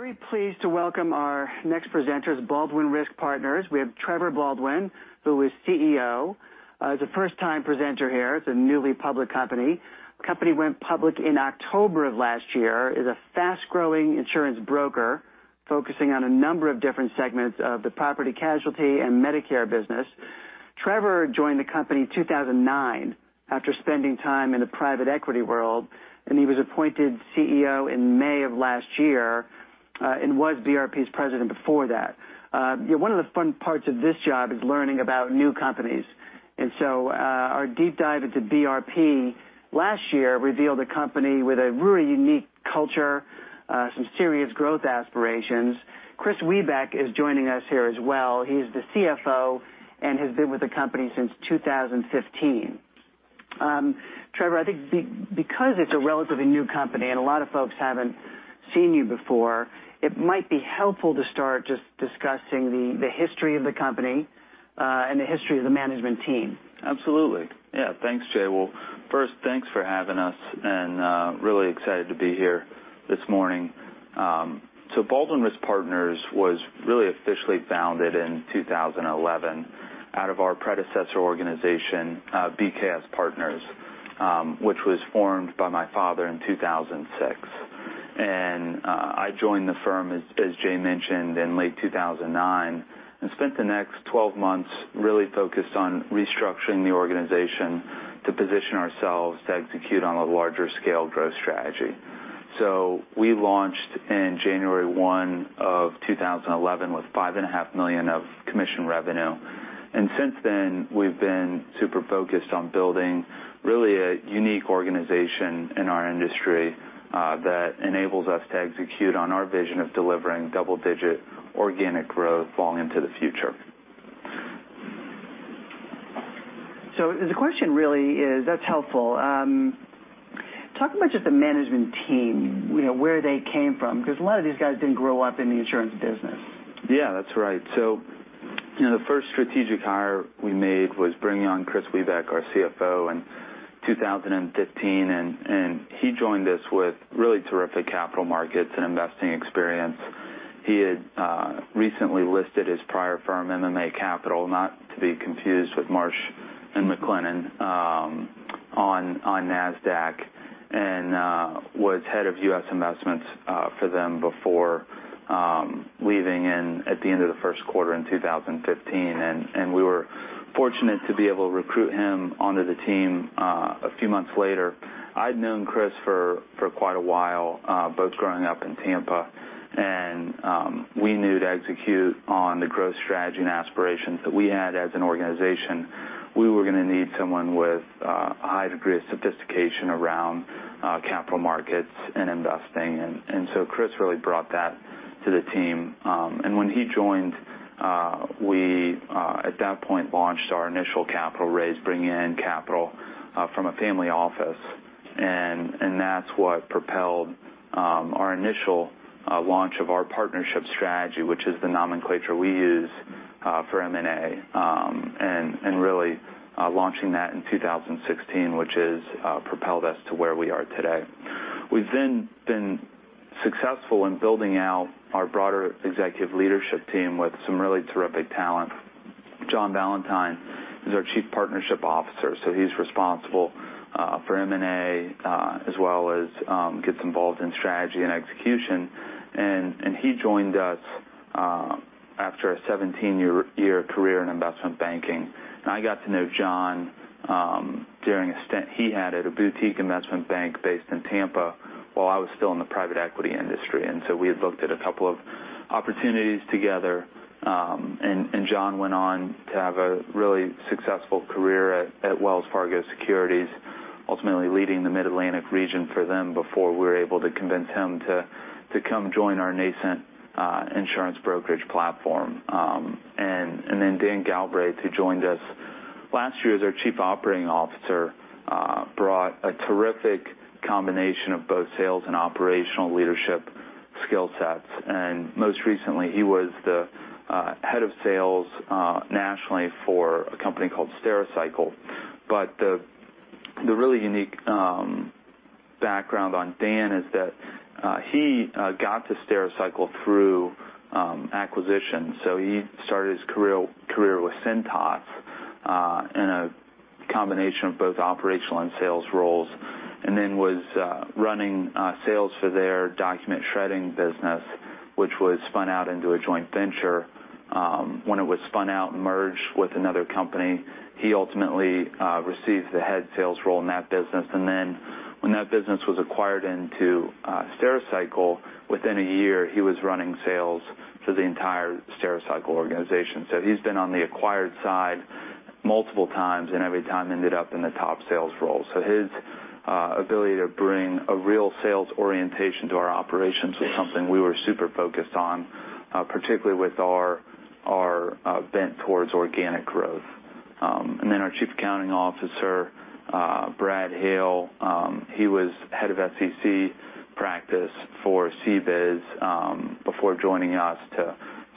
I'm very pleased to welcome our next presenters, Baldwin Insurance Group. We have Trevor Baldwin, who is CEO. It's a first-time presenter here. It's a newly public company. Company went public in October of last year. Is a fast-growing insurance broker focusing on a number of different segments of the property casualty and Medicare business. Trevor joined the company in 2009 after spending time in the private equity world, and he was appointed CEO in May of last year, and was BRP's president before that. One of the fun parts of this job is learning about new companies. Our deep dive into BRP last year revealed a company with a really unique culture, some serious growth aspirations. Kris Wiebeck is joining us here as well. He's the CFO and has been with the company since 2015. Trevor, I think because it's a relatively new company and a lot of folks haven't seen you before, it might be helpful to start just discussing the history of the company and the history of the management team. Absolutely. Yeah, thanks, Jay. First, thanks for having us, really excited to be here this morning. Baldwin Insurance Group was really officially founded in 2011 out of our predecessor organization, BKS Partners, which was formed by my father in 2006. I joined the firm, as Jay mentioned, in late 2009 and spent the next 12 months really focused on restructuring the organization to position ourselves to execute on a larger scale growth strategy. We launched in January 1 of 2011 with $5.5 million of commission revenue. Since then, we've been super focused on building really a unique organization in our industry that enables us to execute on our vision of delivering double-digit organic growth well into the future. The question really is, that's helpful. Talk about just the management team, where they came from, because a lot of these guys didn't grow up in the insurance business. Yeah, that's right. The first strategic hire we made was bringing on Kris Wiebeck, our CFO, in 2015, and he joined us with really terrific capital markets and investing experience. He had recently listed his prior firm, MMA Capital, not to be confused with Marsh & McLennan, on NASDAQ, and was head of U.S. investments for them before leaving at the end of the first quarter in 2015. We were fortunate to be able to recruit him onto the team a few months later. I'd known Kris for quite a while, both growing up in Tampa, and we knew to execute on the growth strategy and aspirations that we had as an organization, we were going to need someone with a high degree of sophistication around capital markets and investing. Kris really brought that to the team. When he joined, we at that point launched our initial capital raise, bringing in capital from a family office, and that's what propelled our initial launch of our partnership strategy, which is the nomenclature we use for M&A, and really launching that in 2016, which has propelled us to where we are today. We've been successful in building out our broader executive leadership team with some really terrific talent. John Valentine is our Chief Partnership Officer, so he's responsible for M&A, as well as gets involved in strategy and execution. He joined us after a 17-year career in investment banking. I got to know John during a stint he had at a boutique investment bank based in Tampa while I was still in the private equity industry. We had looked at a couple of opportunities together, and John went on to have a really successful career at Wells Fargo Securities, ultimately leading the Mid-Atlantic region for them before we were able to convince him to come join our nascent insurance brokerage platform. Dan Galbraith, who joined us last year as our Chief Operating Officer, brought a terrific combination of both sales and operational leadership skill sets. Most recently, he was the head of sales nationally for a company called Stericycle. The really unique background on Dan is that he got to Stericycle through acquisition. He started his career with Cintas in a combination of both operational and sales roles, and then was running sales for their document shredding business, which was spun out into a joint venture. When it was spun out and merged with another company, he ultimately received the head sales role in that business. When that business was acquired into Stericycle, within a year, he was running sales for the entire Stericycle organization. He's been on the acquired side multiple times, and every time ended up in the top sales role. His ability to bring a real sales orientation to our operations was something we were super focused on, particularly with our bent towards organic growth. Our Chief Accounting Officer, Brad Hale, he was head of SEC practice for CBIZ before joining us to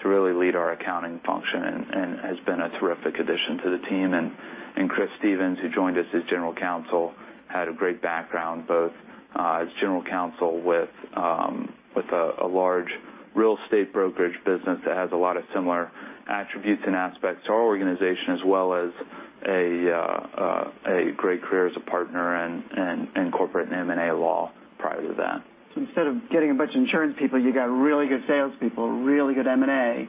really lead our accounting function and has been a terrific addition to the team. Chris Stephens, who joined us as General Counsel, had a great background, both as General Counsel with a large real estate brokerage business that has a lot of similar attributes and aspects to our organization as well as a great career as a partner in corporate and M&A law prior to that. Instead of getting a bunch of insurance people, you got really good salespeople, really good M&A,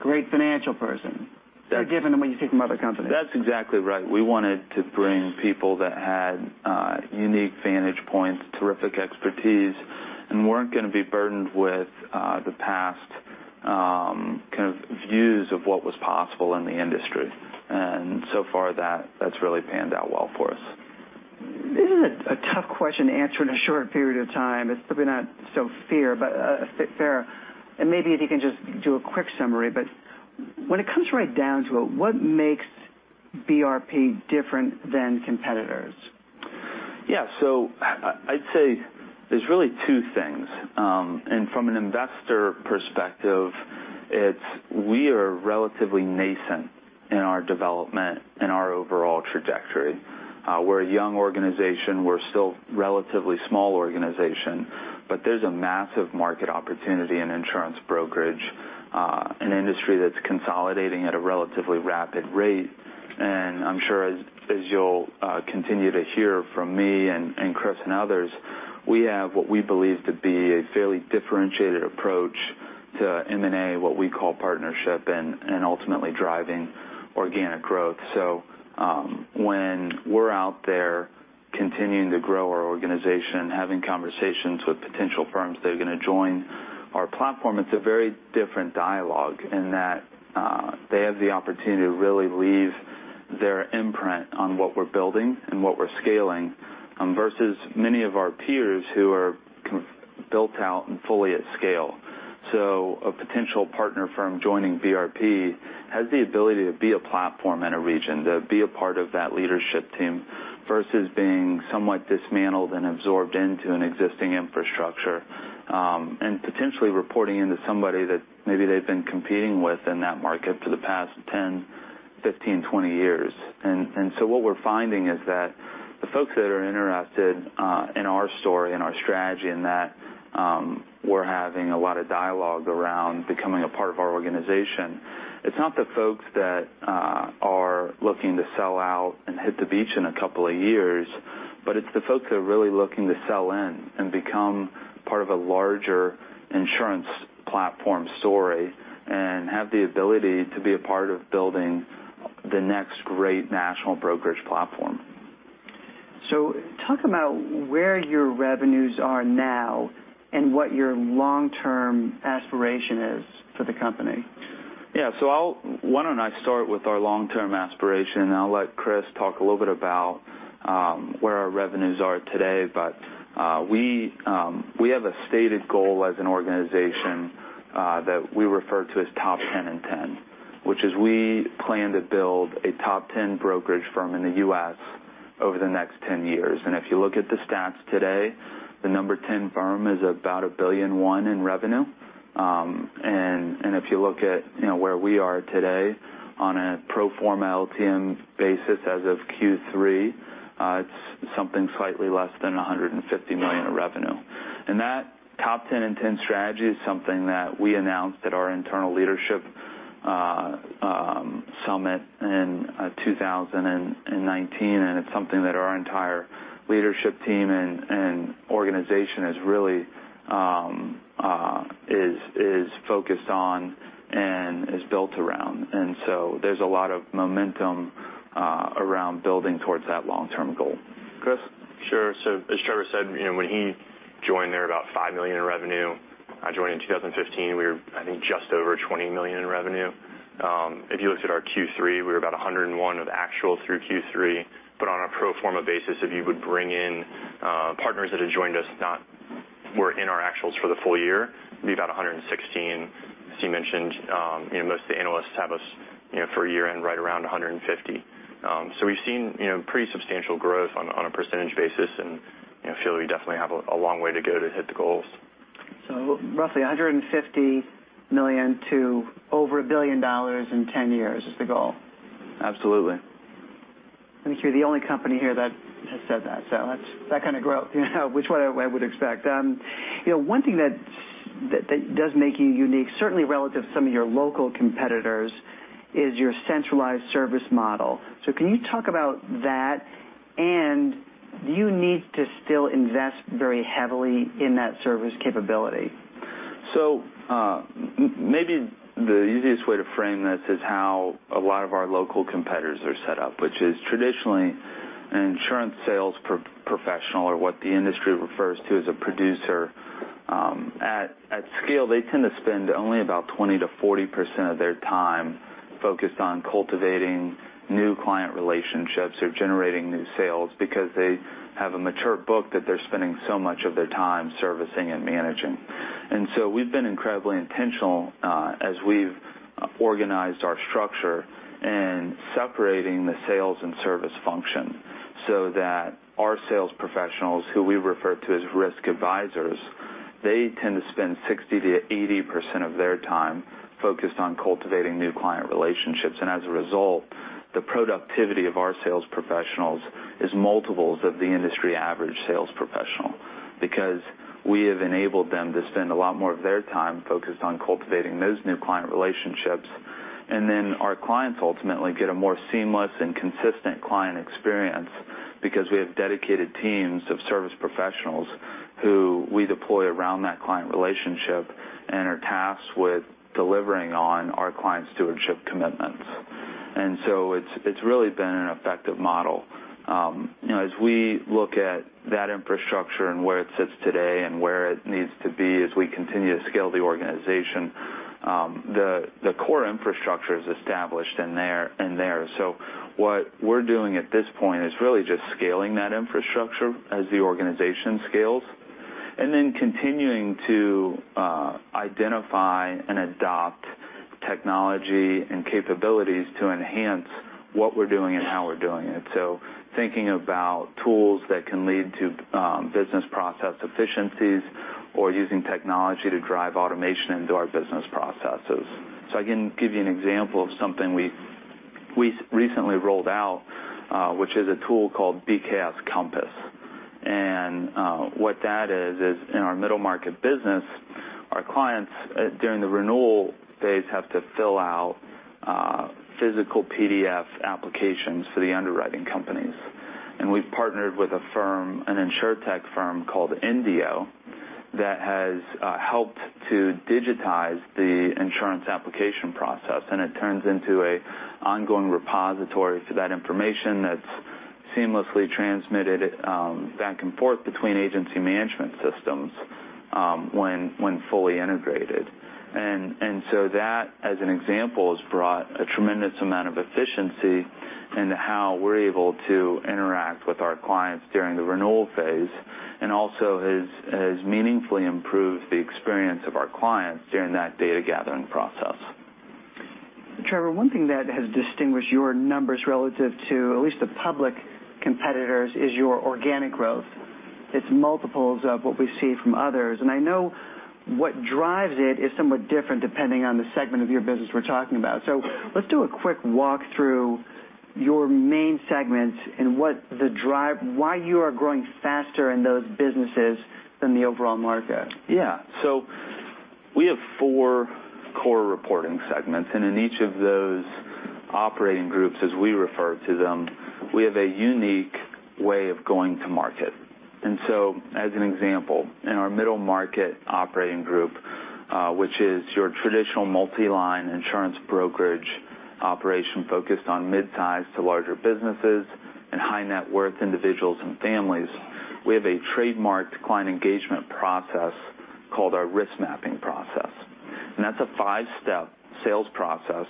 great financial person. You're giving them what you take from other companies. That's exactly right. We wanted to bring people that had unique vantage points, terrific expertise, and weren't going to be burdened with the past kind of views of what was possible in the industry. So far, that's really panned out well for us. This is a tough question to answer in a short period of time. It's probably not so fair, but fair. Maybe if you can just do a quick summary, but when it comes right down to it, what makes BRP different than competitors? I'd say there's really two things. From an investor perspective, it's we are relatively nascent in our development and our overall trajectory. We're a young organization. We're still relatively small organization, but there's a massive market opportunity in insurance brokerage, an industry that's consolidating at a relatively rapid rate. I'm sure as you'll continue to hear from me and Chris and others, we have what we believe to be a fairly differentiated approach to M&A, what we call partnership, and ultimately driving organic growth. When we're out there continuing to grow our organization, having conversations with potential firms that are going to join our platform, it's a very different dialogue in that they have the opportunity to really leave their imprint on what we're building and what we're scaling, versus many of our peers who are built out and fully at scale. A potential partner firm joining BRP has the ability to be a platform in a region, to be a part of that leadership team, versus being somewhat dismantled and absorbed into an existing infrastructure, and potentially reporting into somebody that maybe they've been competing with in that market for the past 10, 15, 20 years. What we're finding is that the folks that are interested in our story and our strategy, and that we're having a lot of dialogue around becoming a part of our organization. It's not the folks that are looking to sell out and hit the beach in a couple of years, but it's the folks that are really looking to sell in and become part of a larger insurance platform story and have the ability to be a part of building the next great national brokerage platform. Talk about where your revenues are now and what your long-term aspiration is for the company. Why don't I start with our long-term aspiration, and I'll let Kris talk a little bit about where our revenues are today. We have a stated goal as an organization that we refer to as Top 10 in 10, which is we plan to build a top 10 brokerage firm in the U.S. over the next 10 years. If you look at the stats today, the number 10 firm is about $1.1 billion in revenue. If you look at where we are today on a pro forma LTM basis as of Q3, it's something slightly less than $150 million in revenue. That Top 10 in 10 strategy is something that we announced at our internal leadership summit in 2019, and it's something that our entire leadership team and organization is really focused on and is built around. There's a lot of momentum around building towards that long-term goal. Kris? Sure. As Trevor said, when he joined there about $5 million in revenue. I joined in 2015. We were, I think, just over $20 million in revenue. If you looked at our Q3, we were about $101 million of actual through Q3. On a pro forma basis, if you would bring in partners that had joined us, not were in our actuals for the full year, it'd be about $116 million. As you mentioned, most of the analysts have us for a year-end right around $150 million. We've seen pretty substantial growth on a percentage basis and feel we definitely have a long way to go to hit the goals. Roughly $150 million to over $1 billion in 10 years is the goal. Absolutely. I think you're the only company here that has said that. That's that kind of growth, which I would expect. One thing that does make you unique, certainly relative to some of your local competitors, is your centralized service model. Can you talk about that, and do you need to still invest very heavily in that service capability? Maybe the easiest way to frame this is how a lot of our local competitors are set up, which is traditionally an insurance sales professional or what the industry refers to as a producer. At scale, they tend to spend only about 20%-40% of their time focused on cultivating new client relationships or generating new sales because they have a mature book that they're spending so much of their time servicing and managing. We've been incredibly intentional as we've organized our structure in separating the sales and service function. That our sales professionals, who we refer to as risk advisors, they tend to spend 60%-80% of their time focused on cultivating new client relationships. As a result, the productivity of our sales professionals is multiples of the industry average sales professional because we have enabled them to spend a lot more of their time focused on cultivating those new client relationships. Then our clients ultimately get a more seamless and consistent client experience because we have dedicated teams of service professionals who we deploy around that client relationship and are tasked with delivering on our client stewardship commitments. It's really been an effective model. As we look at that infrastructure and where it sits today and where it needs to be as we continue to scale the organization, the core infrastructure is established in there. What we're doing at this point is really just scaling that infrastructure as the organization scales, and then continuing to identify and adopt technology and capabilities to enhance what we're doing and how we're doing it. Thinking about tools that can lead to business process efficiencies or using technology to drive automation into our business processes. I can give you an example of something we recently rolled out, which is a tool called BKS Compass. What that is in our middle market business, our clients during the renewal phase have to fill out physical PDF applications for the underwriting companies. We've partnered with a firm, an insurtech firm called Indio, that has helped to digitize the insurance application process, and it turns into an ongoing repository for that information that's seamlessly transmitted back and forth between agency management systems when fully integrated. That, as an example, has brought a tremendous amount of efficiency into how we're able to interact with our clients during the renewal phase, and also has meaningfully improved the experience of our clients during that data gathering process. Trevor, one thing that has distinguished your numbers relative to at least the public competitors is your organic growth. It's multiples of what we see from others. I know what drives it is somewhat different depending on the segment of your business we're talking about. Let's do a quick walk through your main segments and why you are growing faster in those businesses than the overall market. We have four core reporting segments, and in each of those operating groups, as we refer to them, we have a unique way of going to market. As an example, in our middle market operating group, which is your traditional multi-line insurance brokerage operation focused on midsize to larger businesses and high net worth individuals and families, we have a trademarked client engagement process called our Risk Mapping process. That's a five-step sales process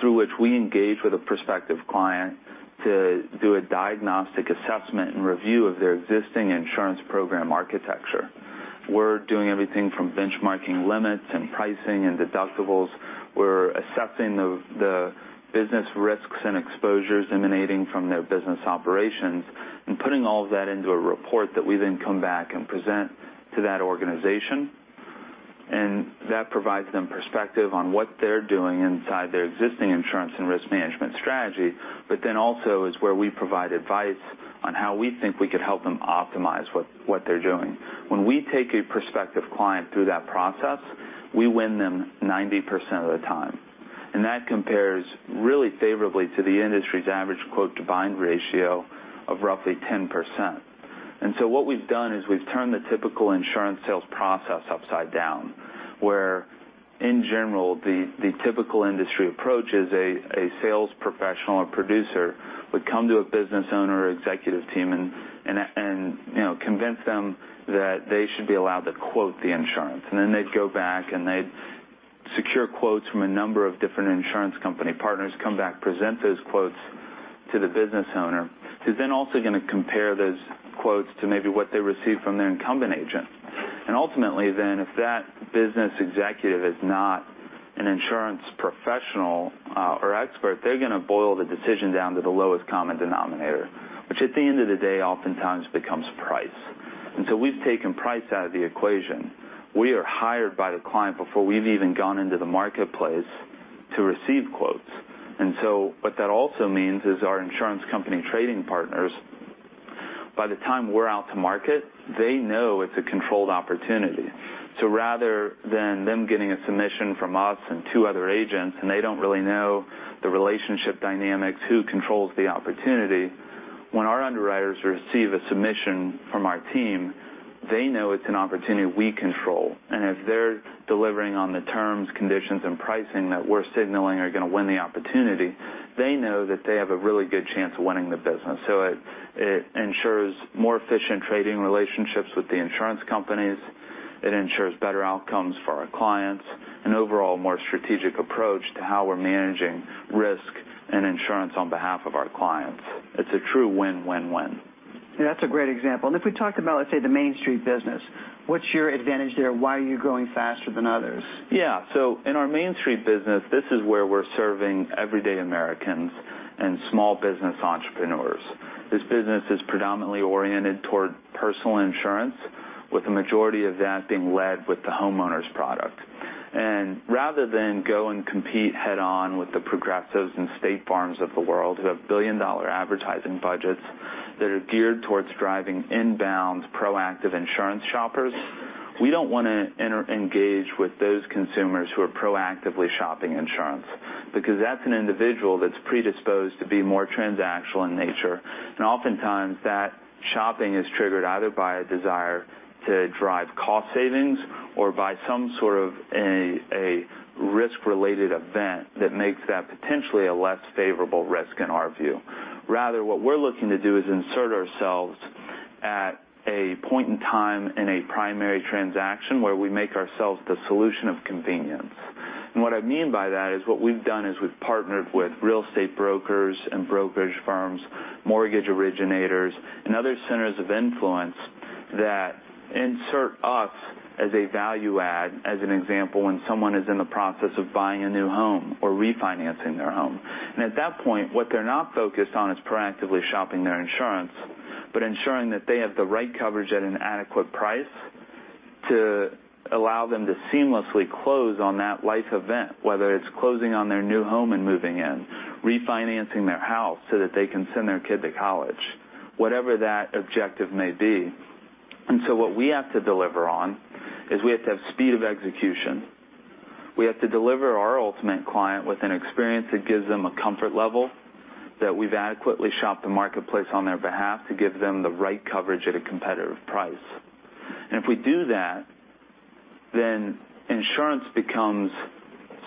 through which we engage with a prospective client to do a diagnostic assessment and review of their existing insurance program architecture. We're doing everything from benchmarking limits and pricing and deductibles. We're assessing the business risks and exposures emanating from their business operations and putting all of that into a report that we then come back and present to that organization. That provides them perspective on what they're doing inside their existing insurance and risk management strategy, also is where we provide advice on how we think we could help them optimize what they're doing. When we take a prospective client through that process, we win them 90% of the time. That compares really favorably to the industry's average quote-to-bind ratio of roughly 10%. What we've done is we've turned the typical insurance sales process upside down, where in general, the typical industry approach is a sales professional or producer would come to a business owner or executive team and convince them that they should be allowed to quote the insurance. They'd go back and they'd secure quotes from a number of different insurance company partners, come back, present those quotes to the business owner, who's then also going to compare those quotes to maybe what they received from their incumbent agent. Ultimately then, if that business executive is not an insurance professional or expert, they're going to boil the decision down to the lowest common denominator, which at the end of the day oftentimes becomes price. We've taken price out of the equation. We are hired by the client before we've even gone into the marketplace to receive quotes. What that also means is our insurance company trading partners, by the time we're out to market, they know it's a controlled opportunity. Rather than them getting a submission from us and two other agents, and they don't really know the relationship dynamics, who controls the opportunity, when our underwriters receive a submission from our team, they know it's an opportunity we control. If they're delivering on the terms, conditions, and pricing that we're signaling are going to win the opportunity, they know that they have a really good chance of winning the business. It ensures more efficient trading relationships with the insurance companies. It ensures better outcomes for our clients and overall more strategic approach to how we're managing risk and insurance on behalf of our clients. It's a true win-win-win. That's a great example. If we talked about, let's say, the Main Street business, what's your advantage there? Why are you growing faster than others? In our Main Street business, this is where we're serving everyday Americans and small business entrepreneurs. This business is predominantly oriented toward personal insurance, with the majority of that being led with the homeowners product. Rather than go and compete head-on with the Progressive and State Farm of the world, who have billion-dollar advertising budgets that are geared towards driving inbound proactive insurance shoppers, we don't want to engage with those consumers who are proactively shopping insurance, because that's an individual that's predisposed to be more transactional in nature. Oftentimes, that shopping is triggered either by a desire to drive cost savings or by some sort of a risk-related event that makes that potentially a less favorable risk, in our view. Rather, what we're looking to do is insert ourselves at a point in time in a primary transaction where we make ourselves the solution of convenience. What I mean by that is what we've done is we've partnered with real estate brokers and brokerage firms, mortgage originators, and other centers of influence that insert us as a value add, as an example, when someone is in the process of buying a new home or refinancing their home. At that point, what they're not focused on is proactively shopping their insurance, but ensuring that they have the right coverage at an adequate price to allow them to seamlessly close on that life event, whether it's closing on their new home and moving in, refinancing their house so that they can send their kid to college, whatever that objective may be. What we have to deliver on is we have to have speed of execution. We have to deliver our ultimate client with an experience that gives them a comfort level that we've adequately shopped the marketplace on their behalf to give them the right coverage at a competitive price. If we do that, insurance becomes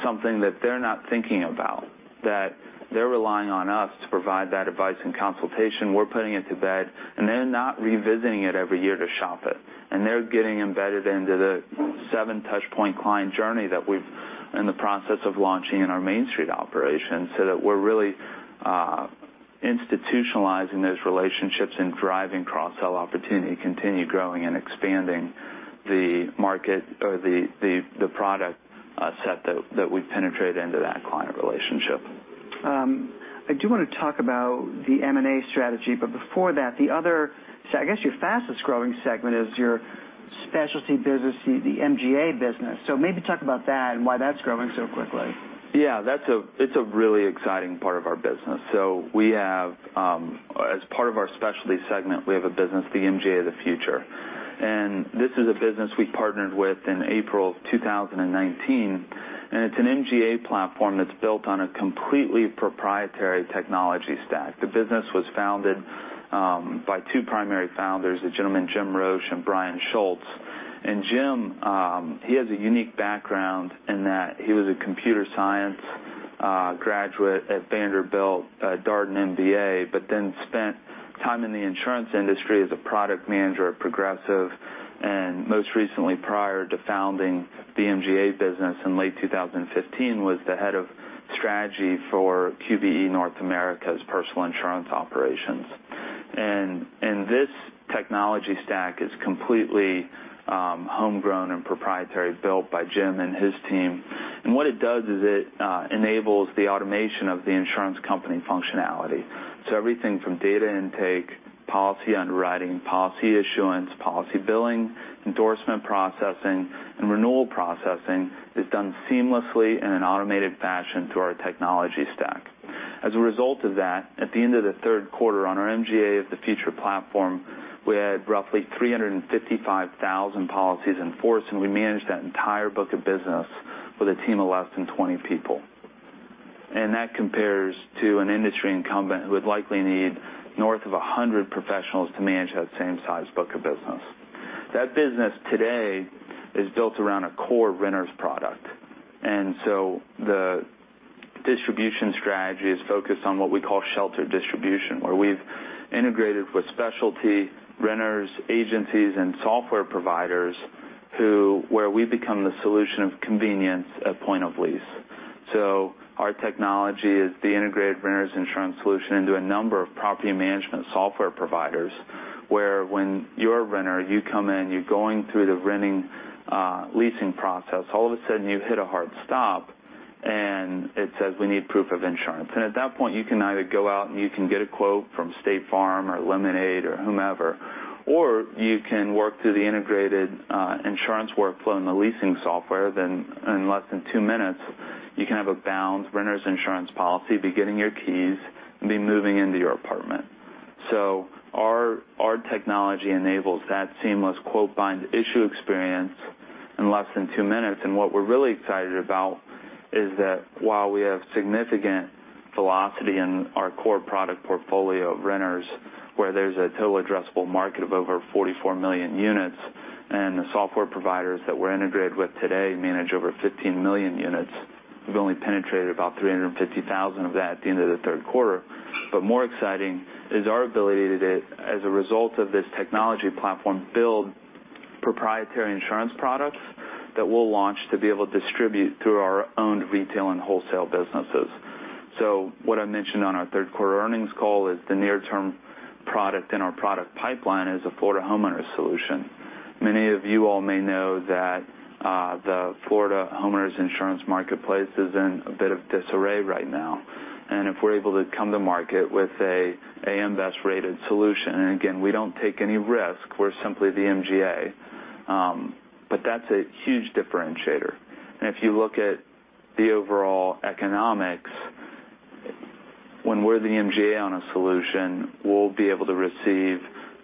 something that they're not thinking about, that they're relying on us to provide that advice and consultation. We're putting it to bed, and they're not revisiting it every year to shop it. They're getting embedded into the seven-touch-point client journey that we're in the process of launching in our Main Street operation, so that we're really institutionalizing those relationships and driving cross-sell opportunity, continue growing and expanding the market or the product set that we penetrate into that client relationship. I do want to talk about the M&A strategy, but before that, I guess your fastest-growing segment is your specialty business, the MGA business. Maybe talk about that and why that's growing so quickly. It's a really exciting part of our business. As part of our specialty segment, we have a business, MGA of the Future, this is a business we partnered with in April 2019, and it's an MGA platform that's built on a completely proprietary technology stack. The business was founded by two primary founders, a gentleman, Jim Roche, and Brian Schultz. Jim, he has a unique background in that he was a computer science graduate at Vanderbilt University, a Darden MBA, but then spent time in the insurance industry as a product manager at Progressive, and most recently, prior to founding the MGA business in late 2015, was the head of strategy for QBE North America's personal insurance operations. This technology stack is completely homegrown and proprietary, built by Jim and his team. What it does is it enables the automation of the insurance company functionality. Everything from data intake, policy underwriting, policy issuance, policy billing, endorsement processing, and renewal processing is done seamlessly in an automated fashion through our technology stack. As a result of that, at the end of the third quarter on our MGA of the Future platform, we had roughly 355,000 policies in force, and we managed that entire book of business with a team of less than 20 people. That compares to an industry incumbent who would likely need north of 100 professionals to manage that same size book of business. That business today is built around a core renter's product, the distribution strategy is focused on what we call shelter distribution, where we've integrated with specialty renters, agencies, and software providers where we become the solution of convenience at point of lease. Our technology is the integrated renter's insurance solution into a number of property management software providers, where when you're a renter, you come in, you're going through the renting leasing process, all of a sudden you hit a hard stop, and it says, "We need proof of insurance." At that point, you can either go out and you can get a quote from State Farm or Lemonade or whomever, or you can work through the integrated insurance workflow in the leasing software. In less than two minutes, you can have a bound renter's insurance policy, be getting your keys, and be moving into your apartment. Our technology enables that seamless quote bind issue experience in less than two minutes, and what we're really excited about is that while we have significant velocity in our core product portfolio of renters, where there's a total addressable market of over 44 million units, and the software providers that we're integrated with today manage over 15 million units, we've only penetrated about 350,000 of that at the end of the third quarter. More exciting is our ability to, as a result of this technology platform build proprietary insurance products that we'll launch to be able to distribute through our owned retail and wholesale businesses. What I mentioned on our third quarter earnings call is the near-term product in our product pipeline is a Florida homeowners solution. Many of you all may know that the Florida homeowners insurance marketplace is in a bit of disarray right now. If we're able to come to market with an AM Best rated solution, and again, we don't take any risk, we're simply the MGA, but that's a huge differentiator. If you look at the overall economics, when we're the MGA on a solution, we'll be able to receive,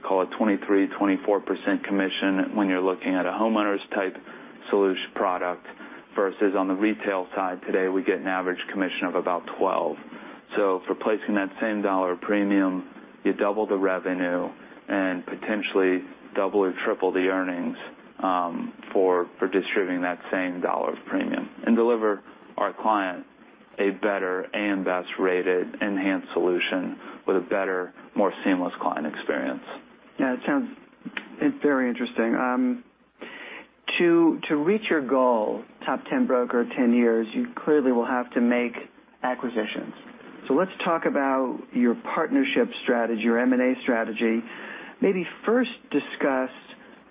call it 23%, 24% commission when you're looking at a homeowners-type solution product, versus on the retail side today, we get an average commission of about 12%. For placing that same $ premium, you double the revenue and potentially double or triple the earnings for distributing that same $ of premium and deliver our client a better AM Best rated enhanced solution with a better, more seamless client experience. Yeah, it sounds very interesting. To reach your goal, top 10 broker in 10 years, you clearly will have to make acquisitions. Let's talk about your partnership strategy, your M&A strategy. Maybe first discuss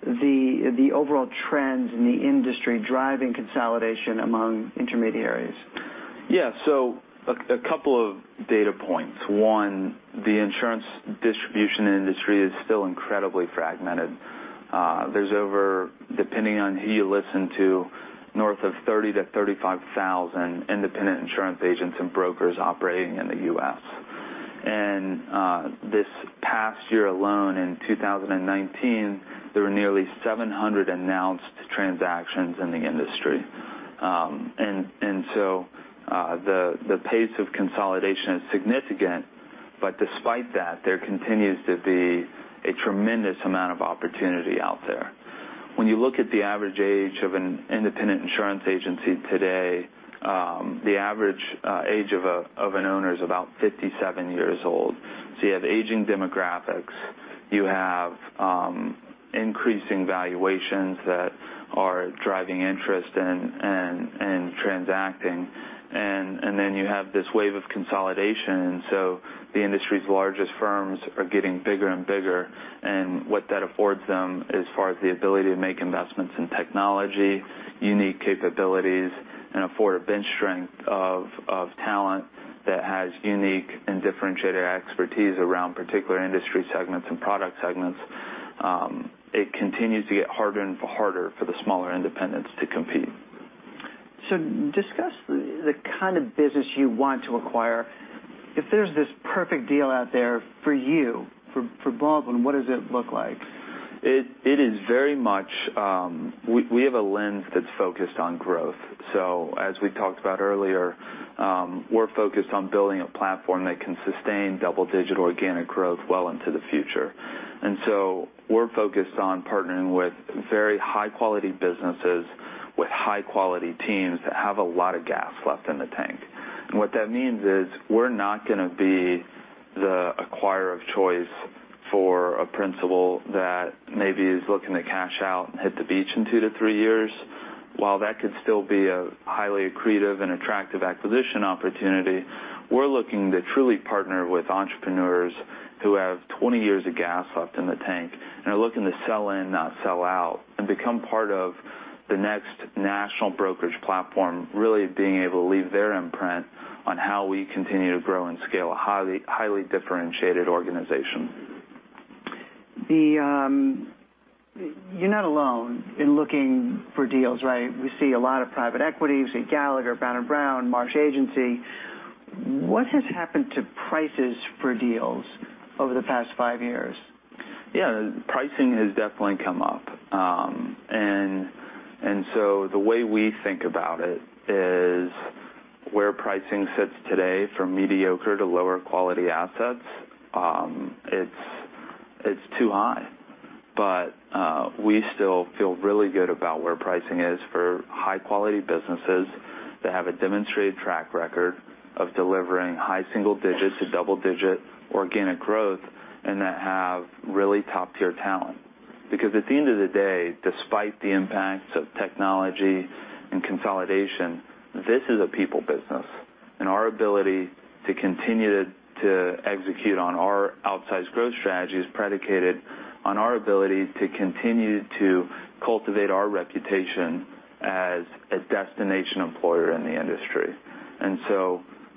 the overall trends in the industry driving consolidation among intermediaries. A couple of data points. One, the insurance distribution industry is still incredibly fragmented. There's over, depending on who you listen to, north of 30,000 to 35,000 independent insurance agents and brokers operating in the U.S. This past year alone, in 2019, there were nearly 700 announced transactions in the industry. The pace of consolidation is significant, but despite that, there continues to be a tremendous amount of opportunity out there. When you look at the average age of an independent insurance agency today, the average age of an owner is about 57 years old. You have aging demographics, you have increasing valuations that are driving interest and transacting, and then you have this wave of consolidation. The industry's largest firms are getting bigger and bigger, and what that affords them as far as the ability to make investments in technology, unique capabilities, and afford a bench strength of talent that has unique and differentiated expertise around particular industry segments and product segments. It continues to get harder and harder for the smaller independents to compete. Discuss the kind of business you want to acquire. If there's this perfect deal out there for you, for Baldwin, what does it look like? We have a lens that's focused on growth. As we talked about earlier, we're focused on building a platform that can sustain double-digit organic growth well into the future. We're focused on partnering with very high-quality businesses with high-quality teams that have a lot of gas left in the tank. What that means is we're not going to be the acquirer of choice for a principal that maybe is looking to cash out and hit the beach in two to three years. While that could still be a highly accretive and attractive acquisition opportunity, we're looking to truly partner with entrepreneurs who have 20 years of gas left in the tank and are looking to sell in, not sell out, and become part of the next national brokerage platform, really being able to leave their imprint on how we continue to grow and scale a highly differentiated organization. You're not alone in looking for deals, right? We see a lot of private equity. We see Gallagher, Brown & Brown, Marsh Agency. What has happened to prices for deals over the past five years? Yeah, pricing has definitely come up. The way we think about it is where pricing sits today from mediocre to lower quality assets, it's too high. We still feel really good about where pricing is for high-quality businesses that have a demonstrated track record of delivering high single digits to double-digit organic growth, and that have really top-tier talent. Because at the end of the day, despite the impacts of technology and consolidation, this is a people business. Our ability to continue to execute on our outsized growth strategy is predicated on our ability to continue to cultivate our reputation as a destination employer in the industry.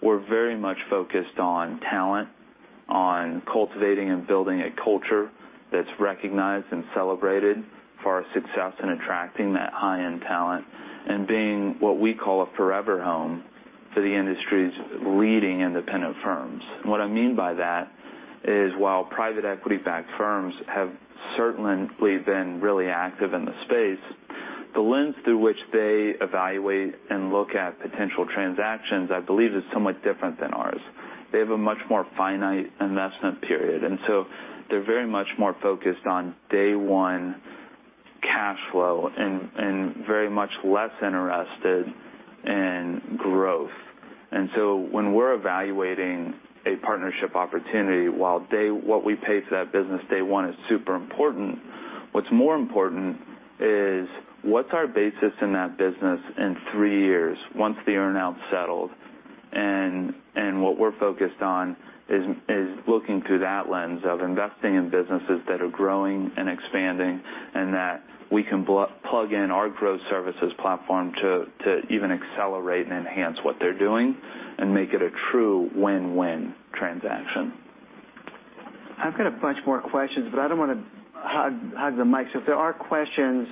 We're very much focused on talent, on cultivating and building a culture that's recognized and celebrated for our success in attracting that high-end talent and being what we call a forever home for the industry's leading independent firms. What I mean by that is while private equity-backed firms have certainly been really active in the space, the lens through which they evaluate and look at potential transactions, I believe, is somewhat different than ours. They have a much more finite investment period, and so they're very much more focused on day one cash flow and very much less interested in growth. When we're evaluating a partnership opportunity, while what we pay for that business day one is super important, what's more important is what's our basis in that business in three years once the earn-out's settled? What we're focused on is looking through that lens of investing in businesses that are growing and expanding, and that we can plug in our growth services platform to even accelerate and enhance what they're doing and make it a true win-win transaction. I've got a bunch more questions, but I don't want to hog the mic. If there are questions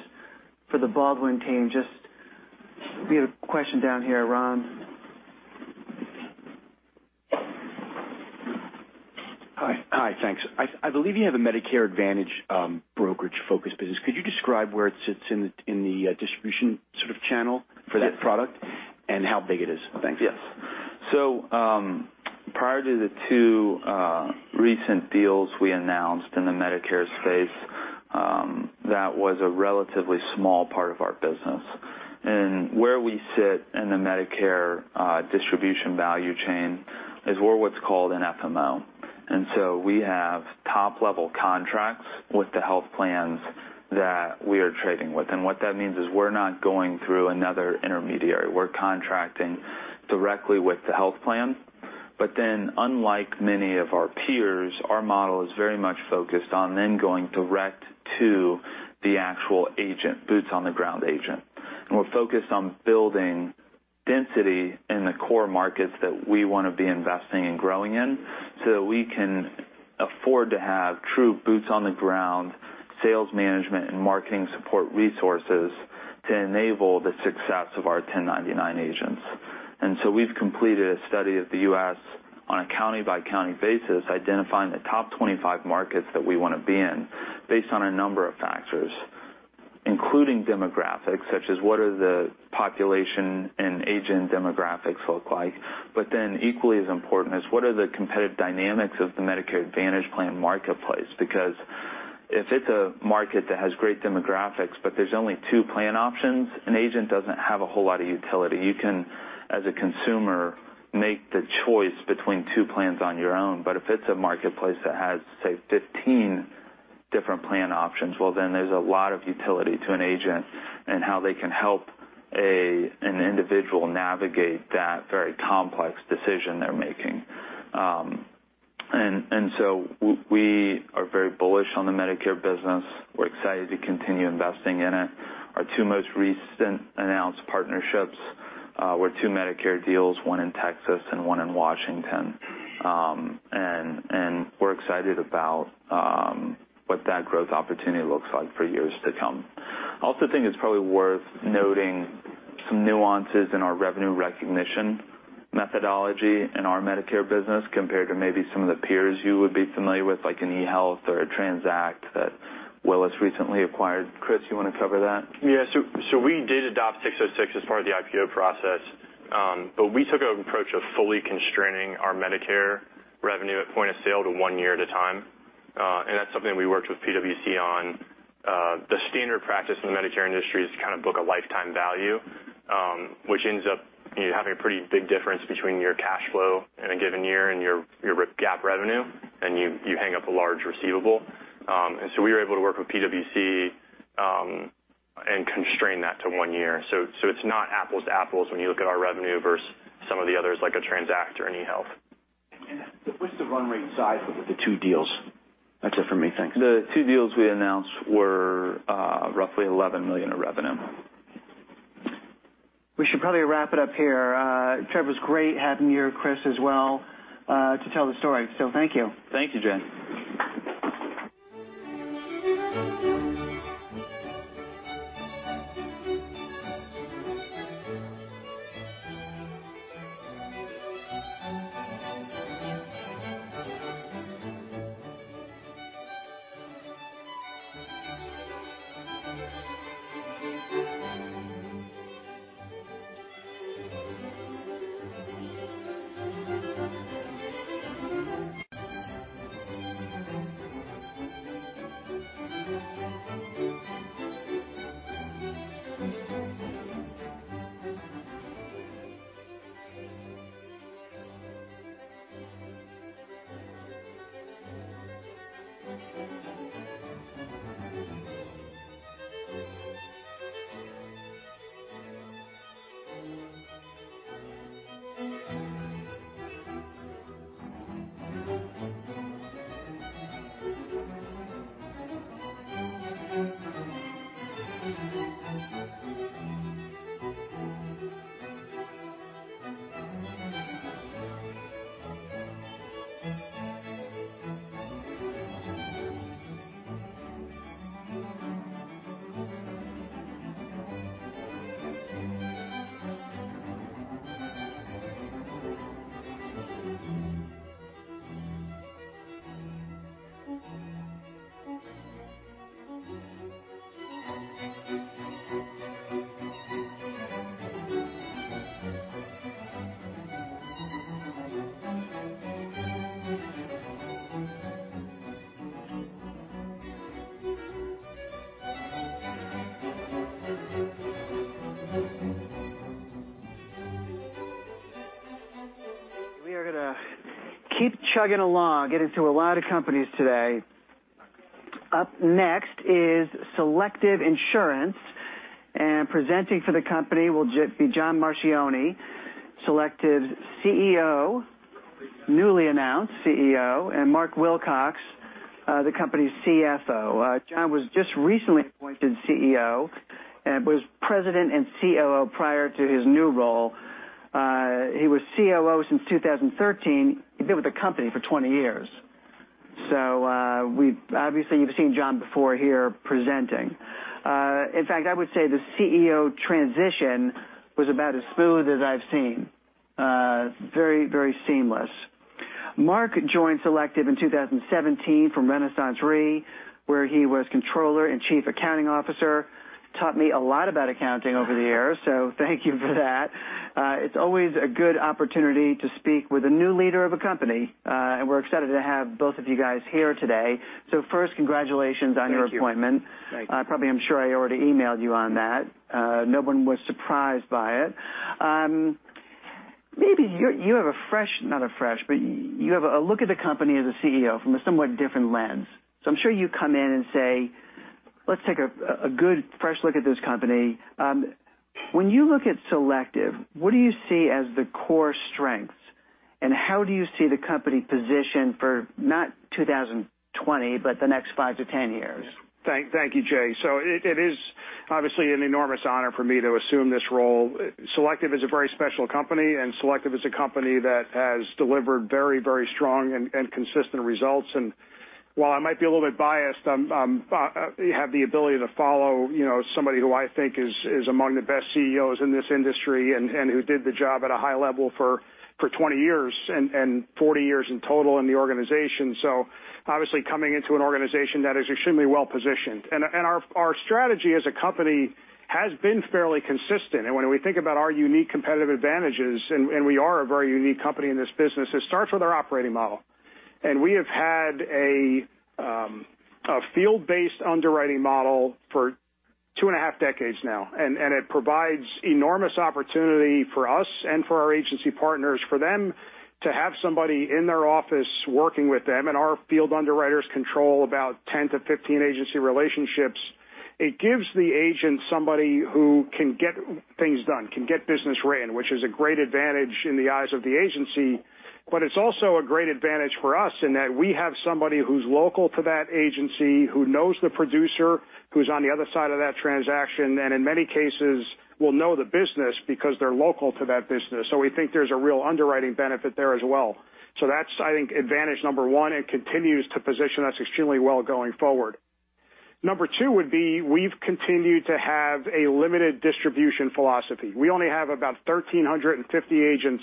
for the Baldwin team, We have a question down here. Ron? Hi. Thanks. I believe you have a Medicare Advantage brokerage-focused business. Could you describe where it sits in the distribution channel for that product and how big it is? Thanks. Yes. Prior to the two recent deals we announced in the Medicare space, that was a relatively small part of our business. Where we sit in the Medicare distribution value chain is we're what's called an FMO. We have top-level contracts with the health plans that we are trading with. What that means is we're not going through another intermediary. We're contracting directly with the health plan. Unlike many of our peers, our model is very much focused on then going direct to the actual agent, boots-on-the-ground agent. We're focused on building density in the core markets that we want to be investing and growing in so that we can afford to have true boots-on-the-ground sales management and marketing support resources to enable the success of our 1099 agents. We've completed a study of the U.S. on a county-by-county basis, identifying the top 25 markets that we want to be in based on a number of factors, including demographics, such as what are the population and agent demographics look like. Equally as important is what are the competitive dynamics of the Medicare Advantage plan marketplace? Because if it's a market that has great demographics, but there's only two plan options, an agent doesn't have a whole lot of utility. You can, as a consumer, make the choice between two plans on your own. If it's a marketplace that has, say, 15 different plan options, well, then there's a lot of utility to an agent and how they can help an individual navigate that very complex decision they're making. We are very bullish on the Medicare business. We're excited to continue investing in it. Our two most recent announced partnerships were two Medicare deals, one in Texas and one in Washington. We're excited about what that growth opportunity looks like for years to come. I also think it's probably worth noting some nuances in our revenue recognition methodology in our Medicare business compared to maybe some of the peers you would be familiar with, like an eHealth or a TRANZACT that Willis recently acquired. Kris you want to cover that? Yes. We did adopt 606 as part of the IPO process. We took an approach of fully constraining our Medicare revenue at point of sale to one year at a time. That's something we worked with PwC on. The standard practice in the Medicare industry is to book a lifetime value, which ends up having a pretty big difference between your cash flow in a given year and your GAAP revenue, and you hang up a large receivable. We were able to work with PwC, and constrain that to one year. So it's not apples to apples when you look at our revenue versus some of the others, like a TRANZACT or an eHealth. What's the run rate size of the two deals? That's it for me. Thanks. The two deals we announced were roughly $11 million of revenue. We should probably wrap it up here. Trevor, it was great having you here, Kris as well, to tell the story. Thank you. Thank you, Jay. We are going to keep chugging along, get into a lot of companies today. Up next is Selective Insurance, and presenting for the company will be John Marchioni, Selective's CEO, newly announced CEO, and Mark Wilcox, the company's CFO. John was just recently appointed CEO and was President and COO prior to his new role. He was COO since 2013. He's been with the company for 20 years. Obviously, you've seen John before here presenting. In fact, I would say the CEO transition was about as smooth as I've seen. Very seamless. Mark joined Selective in 2017 from RenaissanceRe, where he was Controller and Chief Accounting Officer. Taught me a lot about accounting over the years, thank you for that. It's always a good opportunity to speak with a new leader of a company, and we're excited to have both of you guys here today. First, congratulations on your appointment. Thank you. Probably, I'm sure I already emailed you on that. No one was surprised by it. Maybe you have a fresh, not a fresh, but you have a look at the company as a CEO from a somewhat different lens. I'm sure you come in and say, "Let's take a good, fresh look at this company." When you look at Selective, what do you see as the core strengths, and how do you see the company positioned for not 2020, but the next five to 10 years? Thank you, Jay. It is obviously an enormous honor for me to assume this role. Selective is a very special company, and Selective is a company that has delivered very strong and consistent results. While I might be a little bit biased, I have the ability to follow somebody who I think is among the best CEOs in this industry and who did the job at a high level for 20 years and 40 years in total in the organization. Obviously, coming into an organization that is extremely well-positioned. Our strategy as a company has been fairly consistent, and when we think about our unique competitive advantages, and we are a very unique company in this business, it starts with our operating model. We have had a field-based underwriting model for two and a half decades now, it provides enormous opportunity for us and for our agency partners, for them to have somebody in their office working with them, our field underwriters control about 10-15 agency relationships. It gives the agent somebody who can get things done, can get business written, which is a great advantage in the eyes of the agency. It's also a great advantage for us in that we have somebody who's local to that agency, who knows the producer, who's on the other side of that transaction, and in many cases will know the business because they're local to that business. We think there's a real underwriting benefit there as well. That's, I think, advantage number one and continues to position us extremely well going forward. Number two would be we've continued to have a limited distribution philosophy. We only have about 1,350 agents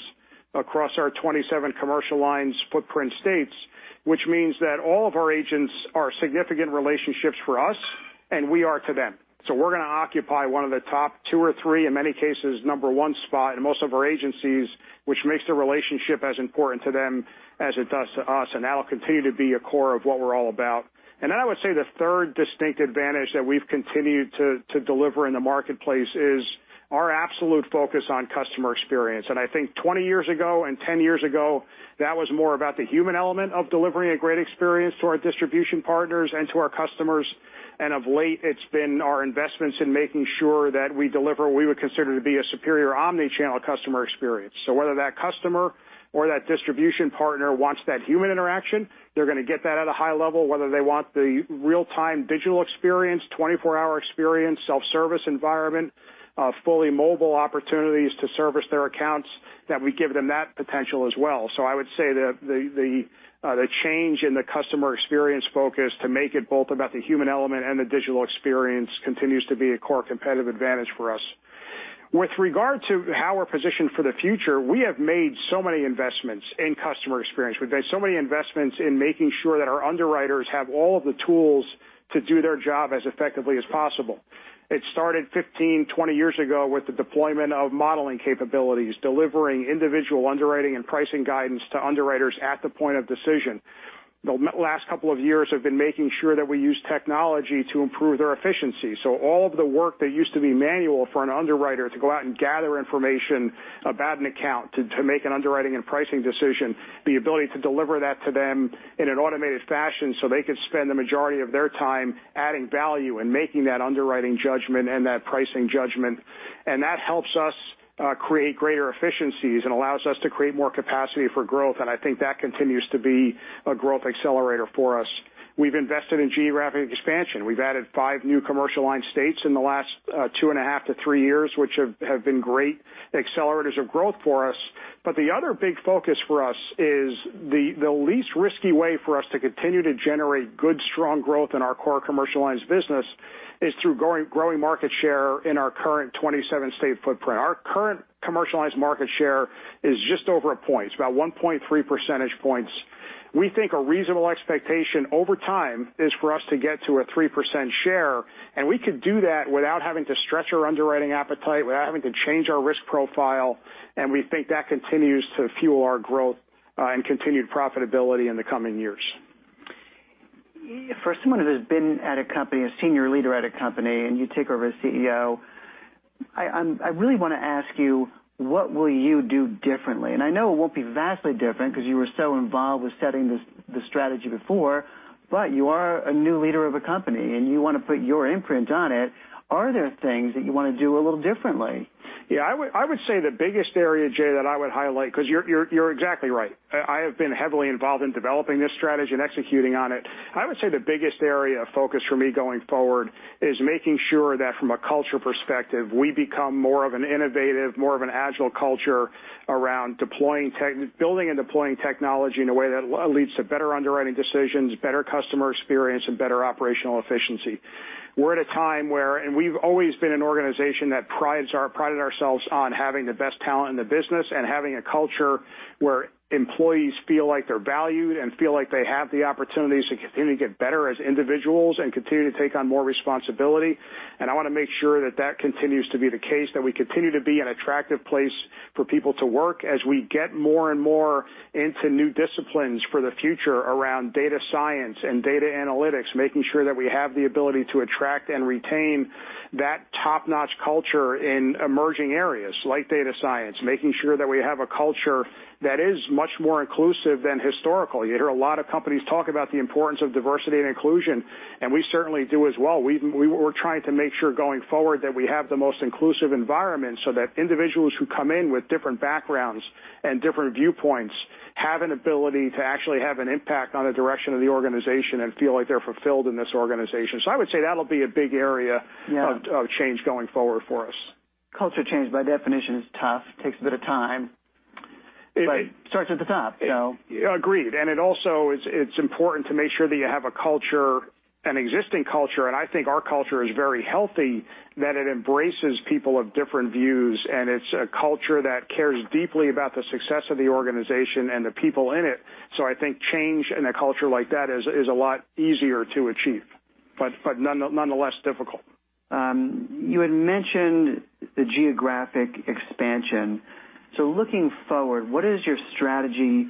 across our 27 commercial lines footprint states, which means that all of our agents are significant relationships for us, and we are to them. We're going to occupy one of the top two or three, in many cases, number one spot in most of our agencies, which makes the relationship as important to them as it does to us, and that'll continue to be a core of what we're all about. I would say the third distinct advantage that we've continued to deliver in the marketplace is our absolute focus on customer experience. I think 20 years ago and 10 years ago, that was more about the human element of delivering a great experience to our distribution partners and to our customers. Of late, it's been our investments in making sure that we deliver what we would consider to be a superior omni-channel customer experience. Whether that customer or that distribution partner wants that human interaction, they're going to get that at a high level, whether they want the real-time digital experience, 24-hour experience, self-service environment, fully mobile opportunities to service their accounts, that we give them that potential as well. I would say the change in the customer experience focus to make it both about the human element and the digital experience continues to be a core competitive advantage for us. With regard to how we're positioned for the future, we have made so many investments in customer experience. We've made so many investments in making sure that our underwriters have all of the tools to do their job as effectively as possible. It started 15, 20 years ago with the deployment of modeling capabilities, delivering individual underwriting and pricing guidance to underwriters at the point of decision. The last couple of years have been making sure that we use technology to improve their efficiency. All of the work that used to be manual for an underwriter to go out and gather information about an account to make an underwriting and pricing decision, the ability to deliver that to them in an automated fashion so they could spend the majority of their time adding value and making that underwriting judgment and that pricing judgment. That helps us create greater efficiencies and allows us to create more capacity for growth, and I think that continues to be a growth accelerator for us. We've invested in geographic expansion. We've added five new commercial line states in the last two and a half to three years, which have been great accelerators of growth for us. The other big focus for us is the least risky way for us to continue to generate good, strong growth in our core commercial lines business is through growing market share in our current 27-state footprint. Our current commercial lines market share is just over a point. It's about 1.3 percentage points. We think a reasonable expectation over time is for us to get to a 3% share, and we could do that without having to stretch our underwriting appetite, without having to change our risk profile, and we think that continues to fuel our growth, and continued profitability in the coming years. For someone who has been at a company, a senior leader at a company, you take over as CEO, I really want to ask you, what will you do differently? I know it won't be vastly different because you were so involved with setting the strategy before, you are a new leader of a company, you want to put your imprint on it. Are there things that you want to do a little differently? I would say the biggest area, Jay, that I would highlight, because you're exactly right. I have been heavily involved in developing this strategy and executing on it. I would say the biggest area of focus for me going forward is making sure that from a culture perspective, we become more of an innovative, more of an agile culture around building and deploying technology in a way that leads to better underwriting decisions, better customer experience, and better operational efficiency. We're at a time where, we've always been an organization that prided ourselves on having the best talent in the business and having a culture where employees feel like they're valued and feel like they have the opportunities to continue to get better as individuals and continue to take on more responsibility. I want to make sure that continues to be the case, that we continue to be an attractive place for people to work as we get more and more into new disciplines for the future around data science and data analytics, making sure that we have the ability to attract and retain that top-notch culture in emerging areas like data science, making sure that we have a culture that is much more inclusive than historical. You hear a lot of companies talk about the importance of diversity and inclusion, we certainly do as well. We're trying to make sure going forward that we have the most inclusive environment so that individuals who come in with different backgrounds and different viewpoints have an ability to actually have an impact on the direction of the organization and feel like they're fulfilled in this organization. I would say that'll be a big area of change going forward for us. Culture change, by definition, is tough, takes a bit of time. It- It starts at the top. Agreed. It also it's important to make sure that you have an existing culture, and I think our culture is very healthy, that it embraces people of different views, and it's a culture that cares deeply about the success of the organization and the people in it. I think change in a culture like that is a lot easier to achieve, but nonetheless difficult. You had mentioned the geographic expansion. Looking forward, what is your strategy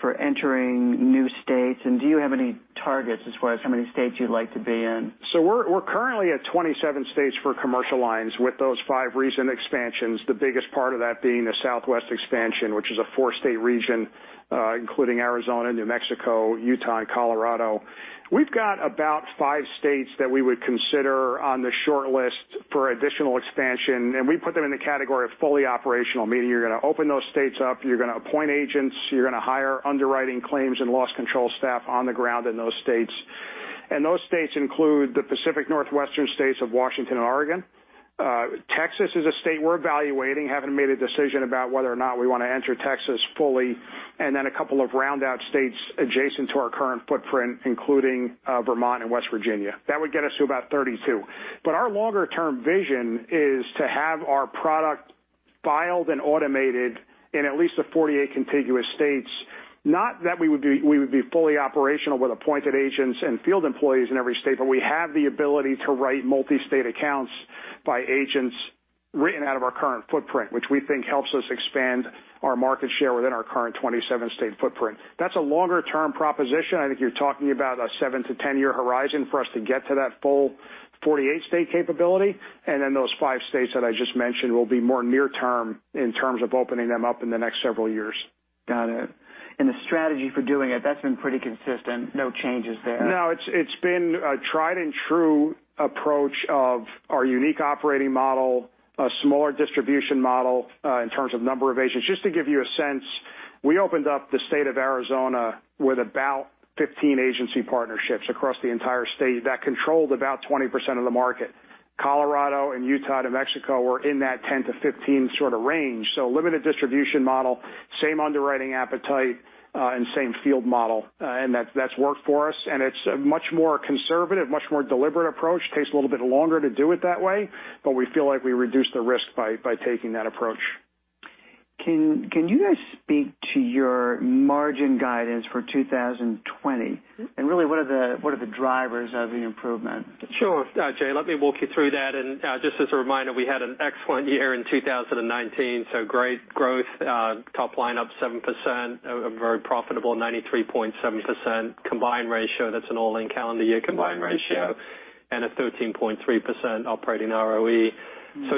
for entering new states, and do you have any targets as far as how many states you'd like to be in? We're currently at 27 states for commercial lines with those five recent expansions, the biggest part of that being the four-state region including Arizona, New Mexico, Utah, and Colorado. We've got about five states that we would consider on the shortlist for additional expansion, and we put them in the category of fully operational, meaning you're going to open those states up, you're going to appoint agents, you're going to hire underwriting claims and loss control staff on the ground in those states. Those states include the Pacific Northwestern states of Washington and Oregon. Texas is a state we're evaluating, haven't made a decision about whether or not we want to enter Texas fully, a couple of round-out states adjacent to our current footprint, including Vermont and West Virginia. That would get us to about 32. Our longer-term vision is to have our product filed and automated in at least the 48 contiguous states. Not that we would be fully operational with appointed agents and field employees in every state, but we have the ability to write multi-state accounts by agents written out of our current footprint, which we think helps us expand our market share within our current 27-state footprint. That's a longer-term proposition. I think you're talking about a seven to 10-year horizon for us to get to that full 48-state capability, those five states that I just mentioned will be more near-term in terms of opening them up in the next several years. Got it. The strategy for doing it, that's been pretty consistent. No changes there. No, it's been a tried and true approach of our unique operating model, a smaller distribution model in terms of number of agents. Just to give you a sense, we opened up the state of Arizona with about 15 agency partnerships across the entire state that controlled about 20% of the market. Colorado and Utah, New Mexico were in that 10-15 sort of range. Limited distribution model, same underwriting appetite, and same field model, and that's worked for us. It's a much more conservative, much more deliberate approach. Takes a little bit longer to do it that way, but we feel like we reduce the risk by taking that approach. Can you guys speak to your margin guidance for 2020? Really, what are the drivers of the improvement? Sure, Jay, let me walk you through that. Just as a reminder, we had an excellent year in 2019, great growth, top line up 7%, a very profitable 93.7% combined ratio. That's an all-in calendar year combined ratio, a 13.3% operating ROE.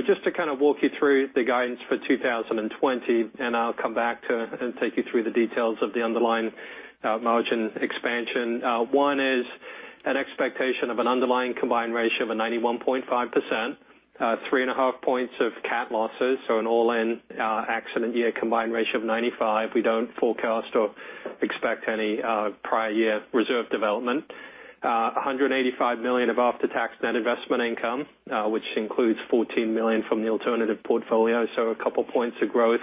Just to kind of walk you through the guidance for 2020, I'll come back to and take you through the details of the underlying margin expansion. One is an expectation of an underlying combined ratio of a 91.5%, three and a half points of cat losses, so an all-in accident year combined ratio of 95%. We don't forecast or expect any prior year reserve development. $185 million of after-tax net investment income, which includes $14 million from the alternative portfolio, a couple points of growth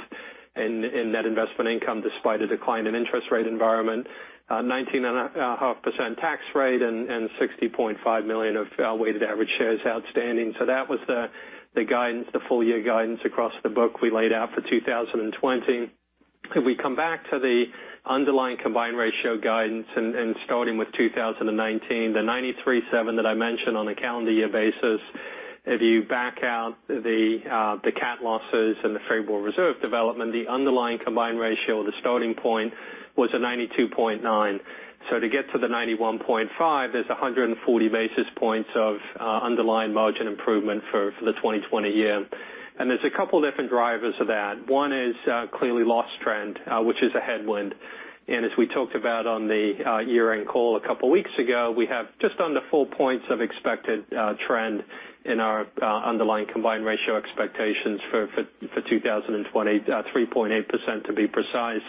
in net investment income despite a decline in interest rate environment, 19.5% tax rate 60.5 million of weighted average shares outstanding. That was the full-year guidance across the book we laid out for 2020. If we come back to the underlying combined ratio guidance starting with 2019, the 93.7% that I mentioned on a calendar year basis. If you back out the cat losses and the favorable reserve development, the underlying combined ratio, the starting point was a 92.9%. To get to the 91.5%, there's 140 basis points of underlying margin improvement for the 2020 year. There's a couple different drivers of that. One is clearly loss trend, which is a headwind. As we talked about on the year-end call a couple weeks ago, we have just under 4 points of expected trend in our underlying combined ratio expectations for 2020, 3.8% to be precise.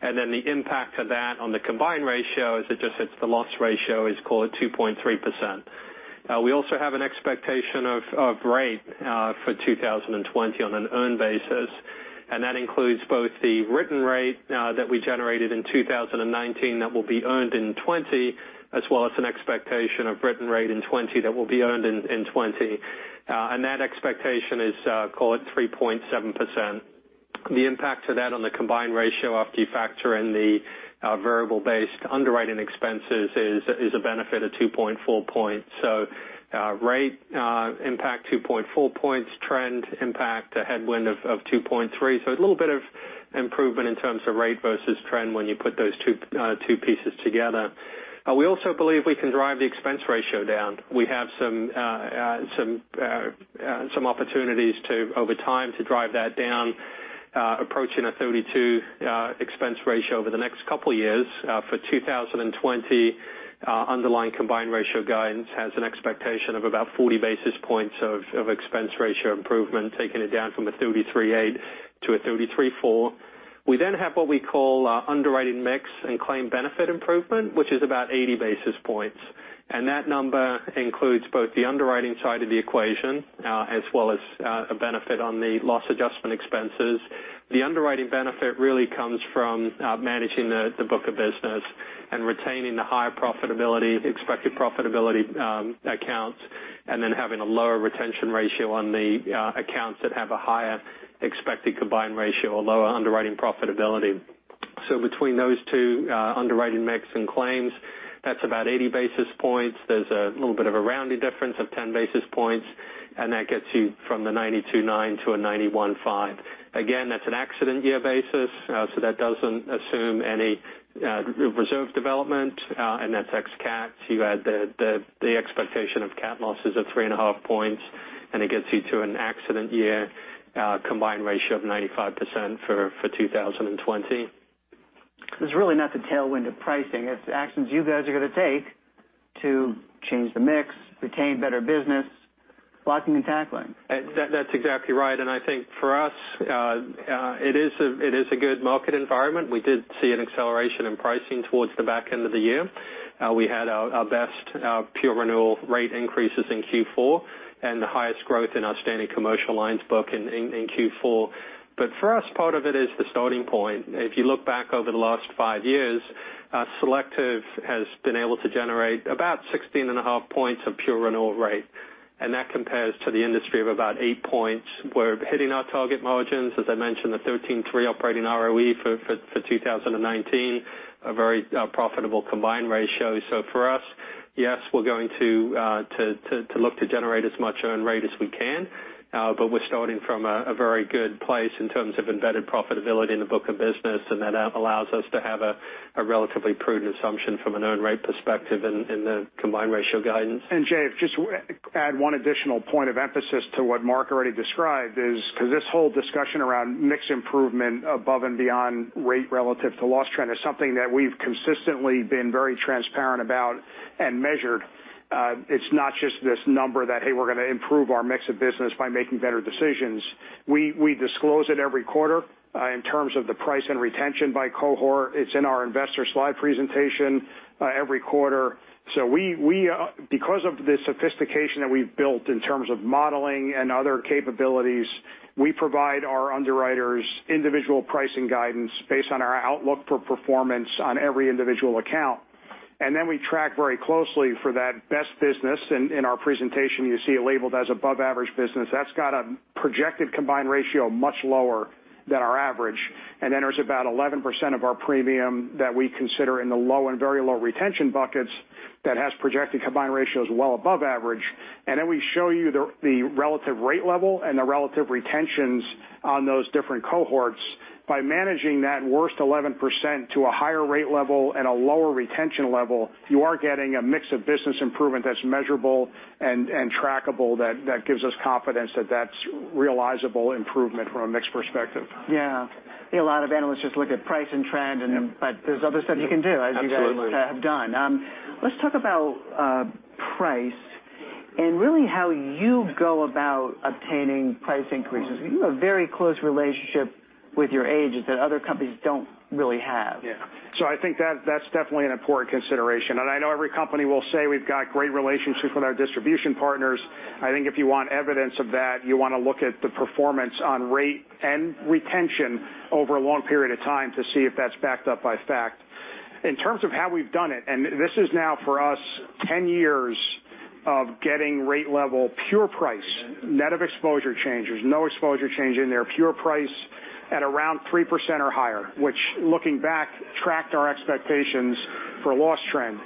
The impact of that on the combined ratio is it just hits the loss ratio is call it 2.3%. We also have an expectation of rate for 2020 on an earned basis, and that includes both the written rate that we generated in 2019 that will be earned in 2020 as well as an expectation of written rate in 2020 that will be earned in 2020. That expectation is, call it, 3.7%. The impact of that on the combined ratio after you factor in the variable-based underwriting expenses is a benefit of 2.4 points. Rate impact 2.4 points, trend impact, a headwind of 2.3. It's a little bit of improvement in terms of rate versus trend when you put those two pieces together. We also believe we can drive the expense ratio down. We have some opportunities over time to drive that down, approaching a 32 expense ratio over the next couple of years. For 2020, underlying combined ratio guidance has an expectation of about 40 basis points of expense ratio improvement, taking it down from a 33.8 to a 33.4. We have what we call our underwriting mix and claim benefit improvement, which is about 80 basis points. That number includes both the underwriting side of the equation as well as a benefit on the loss adjustment expenses. The underwriting benefit really comes from managing the book of business and retaining the higher expected profitability accounts, and then having a lower retention ratio on the accounts that have a higher expected combined ratio or lower underwriting profitability. Between those two, underwriting mix and claims, that's about 80 basis points. There's a little bit of a rounding difference of 10 basis points, that gets you from the 92.9 to a 91.5. Again, that's an accident year basis, so that doesn't assume any reserve development, and that's ex cat. You add the expectation of cat losses of three and a half points, and it gets you to an accident year combined ratio of 95% for 2020. There's really not the tailwind of pricing. It's actions you guys are going to take to change the mix, retain better business, blocking and tackling. That's exactly right. I think for us, it is a good market environment. We did see an acceleration in pricing towards the back end of the year. We had our best pure renewal rate increases in Q4, and the highest growth in our standing commercial lines book in Q4. For us, part of it is the starting point. If you look back over the last five years, Selective has been able to generate about 16.5 points of pure renewal rate, and that compares to the industry of about eight points. We're hitting our target margins. As I mentioned, the 13.3 operating ROE for 2019, a very profitable combined ratio. For us, yes, we're going to look to generate as much earned rate as we can. We're starting from a very good place in terms of embedded profitability in the book of business, and that allows us to have a relatively prudent assumption from an earned rate perspective in the combined ratio guidance. Jay, just to add one additional point of emphasis to what Mark already described is because this whole discussion around mix improvement above and beyond rate relative to loss trend is something that we've consistently been very transparent about and measured. It's not just this number that, hey, we're going to improve our mix of business by making better decisions. We disclose it every quarter in terms of the price and retention by cohort. It's in our investor slide presentation every quarter. Because of the sophistication that we've built in terms of modeling and other capabilities, we provide our underwriters individual pricing guidance based on our outlook for performance on every individual account. We track very closely for that best business. In our presentation, you see it labeled as above-average business. That's got a projected combined ratio much lower than our average. There's about 11% of our premium that we consider in the low and very low retention buckets that has projected combined ratios well above average. We show you the relative rate level and the relative retentions on those different cohorts. By managing that worst 11% to a higher rate level and a lower retention level, you are getting a mix of business improvement that's measurable and trackable that gives us confidence that that's realizable improvement from a mix perspective. A lot of analysts just look at price and trend. There's other stuff you can do. Absolutely As you guys have done. Let's talk about price and really how you go about obtaining price increases. You have a very close relationship with your agents that other companies don't really have. I think that's definitely an important consideration. I know every company will say we've got great relationships with our distribution partners. I think if you want evidence of that, you want to look at the performance on rate and retention over a long period of time to see if that's backed up by fact. In terms of how we've done it, this is now for us 10 years of getting rate level pure price, net of exposure changes, no exposure change in there, pure price at around 3% or higher, which looking back, tracked our expectations for a loss trend.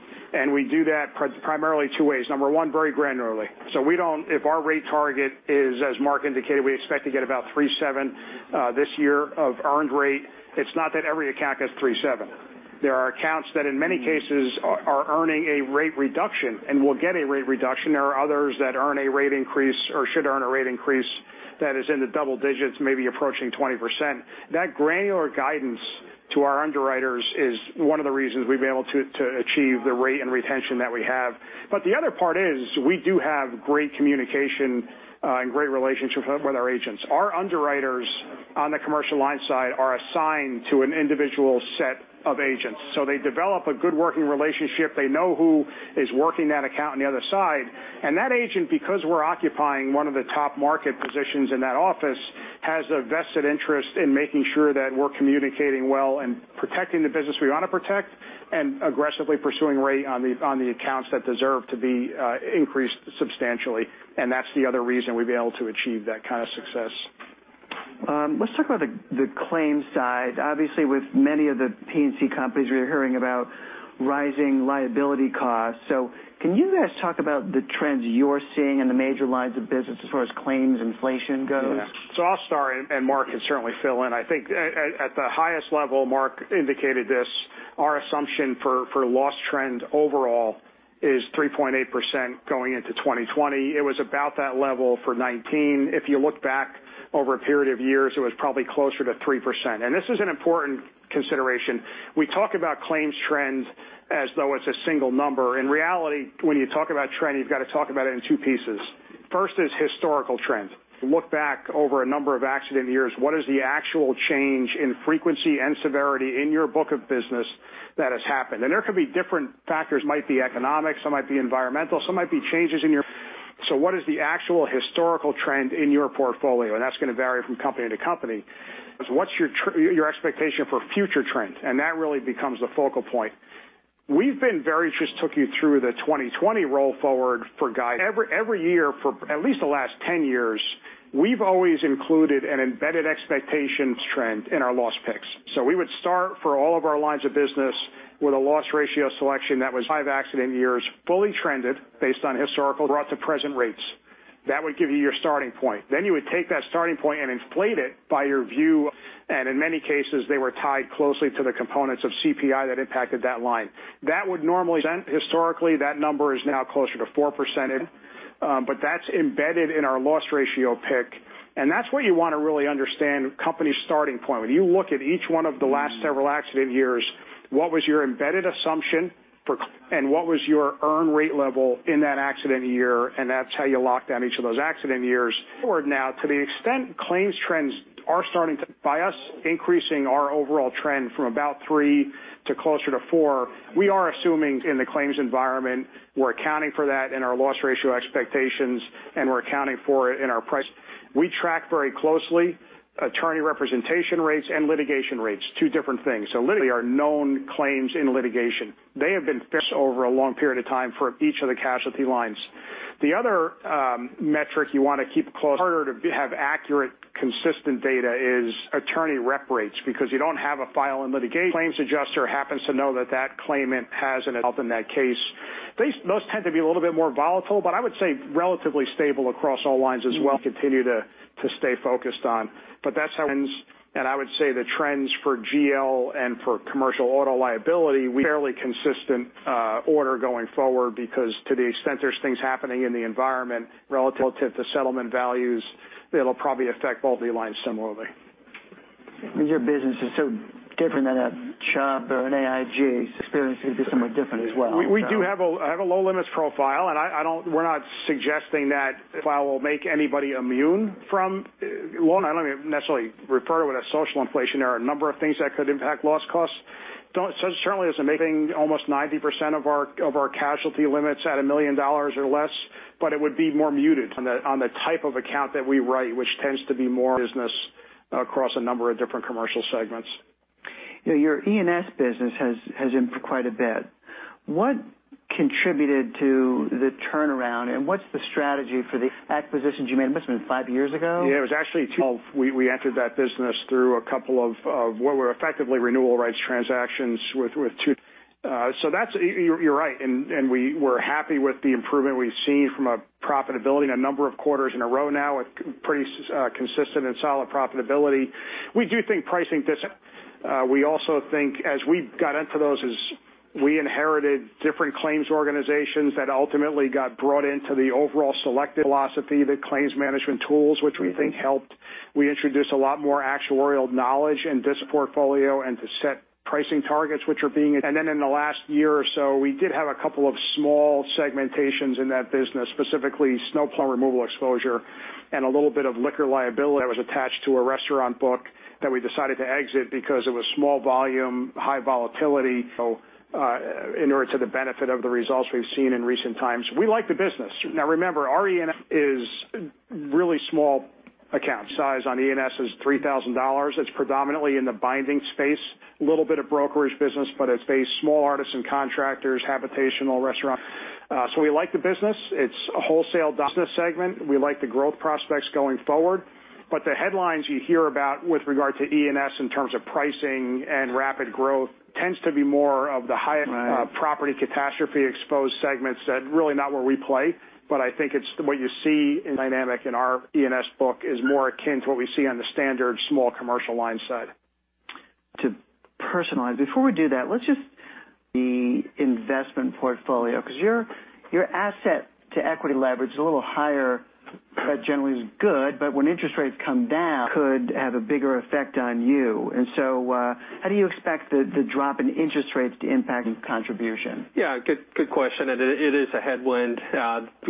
We do that primarily two ways. Number one, very granularly. If our rate target is, as Mark indicated, we expect to get about 3.7 this year of earned rate, it's not that every account gets 3.7. There are accounts that in many cases are earning a rate reduction and will get a rate reduction. There are others that earn a rate increase or should earn a rate increase that is in the double digits, maybe approaching 20%. That granular guidance to our underwriters is one of the reasons we've been able to achieve the rate and retention that we have. The other part is, we do have great communication and great relationships with our agents. Our underwriters on the commercial line side are assigned to an individual set of agents. They develop a good working relationship. They know who is working that account on the other side. That agent, because we're occupying one of the top market positions in that office, has a vested interest in making sure that we're communicating well and protecting the business we want to protect, aggressively pursuing rate on the accounts that deserve to be increased substantially. That's the other reason we've been able to achieve that kind of success. Let's talk about the claims side. Obviously, with many of the P&C companies, we're hearing about rising liability costs. Can you guys talk about the trends you're seeing in the major lines of business as far as claims inflation goes? I'll start and Mark can certainly fill in. I think at the highest level, Mark indicated this, our assumption for loss trend overall is 3.8% going into 2020. It was about that level for 2019. If you look back over a period of years, it was probably closer to 3%. This is an important consideration. We talk about claims trends as though it's a single number. In reality, when you talk about trend, you've got to talk about it in two pieces. First is historical trend. Look back over a number of accident years, what is the actual change in frequency and severity in your book of business that has happened? There could be different factors, might be economic, some might be environmental. What is the actual historical trend in your portfolio? That's going to vary from company to company. What's your expectation for future trend? That really becomes the focal point. We just took you through the 2020 roll forward for guide. Every year for at least the last 10 years, we've always included an embedded expectations trend in our loss picks. We would start for all of our lines of business with a loss ratio selection that was five accident years, fully trended based on historical, brought to present rates. That would give you your starting point. You would take that starting point and inflate it by your view, and in many cases, they were tied closely to the components of CPI that impacted that line. That would normally, historically, that number is now closer to 4%, but that's embedded in our loss ratio pick, and that's where you want to really understand a company's starting point. When you look at each one of the last several accident years, what was your embedded assumption for, and what was your earn rate level in that accident year, and that's how you lock down each of those accident years. Forward now, to the extent claims trends are starting to, by us increasing our overall trend from about three to closer to four, we are assuming in the claims environment, we're accounting for that in our loss ratio expectations, and we're accounting for it in our price. We track very closely attorney representation rates and litigation rates, two different things. Literally are known claims in litigation. They have been fixed over a long period of time for each of the casualty lines. The other metric you want to keep close, harder to have accurate, consistent data is attorney rep rates, because you don't have a file in litigation. Claims adjuster happens to know that that claimant has, and help in that case. Those tend to be a little bit more volatile, but I would say relatively stable across all lines as well, continue to stay focused on. That's how, and I would say the trends for GL and for commercial auto liability, we fairly consistent order going forward because to the extent there's things happening in the environment relative to settlement values, it'll probably affect all the lines similarly. Your business is so different than a Chubb or an AIG's experience is going to be somewhat different as well. We do have a low limits profile, and we're not suggesting that file will make anybody immune from Well, I don't necessarily refer to it as social inflation. There are a number of things that could impact loss costs. Certainly isn't making almost 90% of our casualty limits at $1 million or less, but it would be more muted on the type of account that we write, which tends to be more business across a number of different commercial segments. Your E&S business has improved quite a bit. What contributed to the turnaround, and what's the strategy for the acquisitions you made? Must've been five years ago? Yeah, it was actually 12. We entered that business through a couple of what were effectively renewal rights transactions with two. You're right. We were happy with the improvement we've seen from a profitability in a number of quarters in a row now, pretty consistent and solid profitability. We do think pricing discipline. We also think as we got into those is we inherited different claims organizations that ultimately got brought into the overall Selective philosophy, the claims management tools, which we think helped. We introduced a lot more actuarial knowledge in this portfolio and to set pricing targets. In the last year or so, we did have a couple of small segmentations in that business, specifically snowplow removal exposure, and a little bit of liquor liability that was attached to a restaurant book that we decided to exit because it was small volume, high volatility in order to the benefit of the results we've seen in recent times. We like the business. Now remember, our E&S is really small account size on E&S is $3,000. It's predominantly in the binding space, a little bit of brokerage business, but it's a small artisan contractors, habitational restaurant. We like the business. It's a wholesale business segment. We like the growth prospects going forward. The headlines you hear about with regard to E&S in terms of pricing and rapid growth tends to be more of the high- Right property catastrophe exposed segments that really not where we play. I think what you see in dynamic in our E&S book is more akin to what we see on the standard small commercial line side. To personalize. Before we do that, The investment portfolio, because your asset to equity leverage is a little higher. That generally is good, but when interest rates come down, could have a bigger effect on you. How do you expect the drop in interest rates to impact contribution? Yeah, good question. It is a headwind.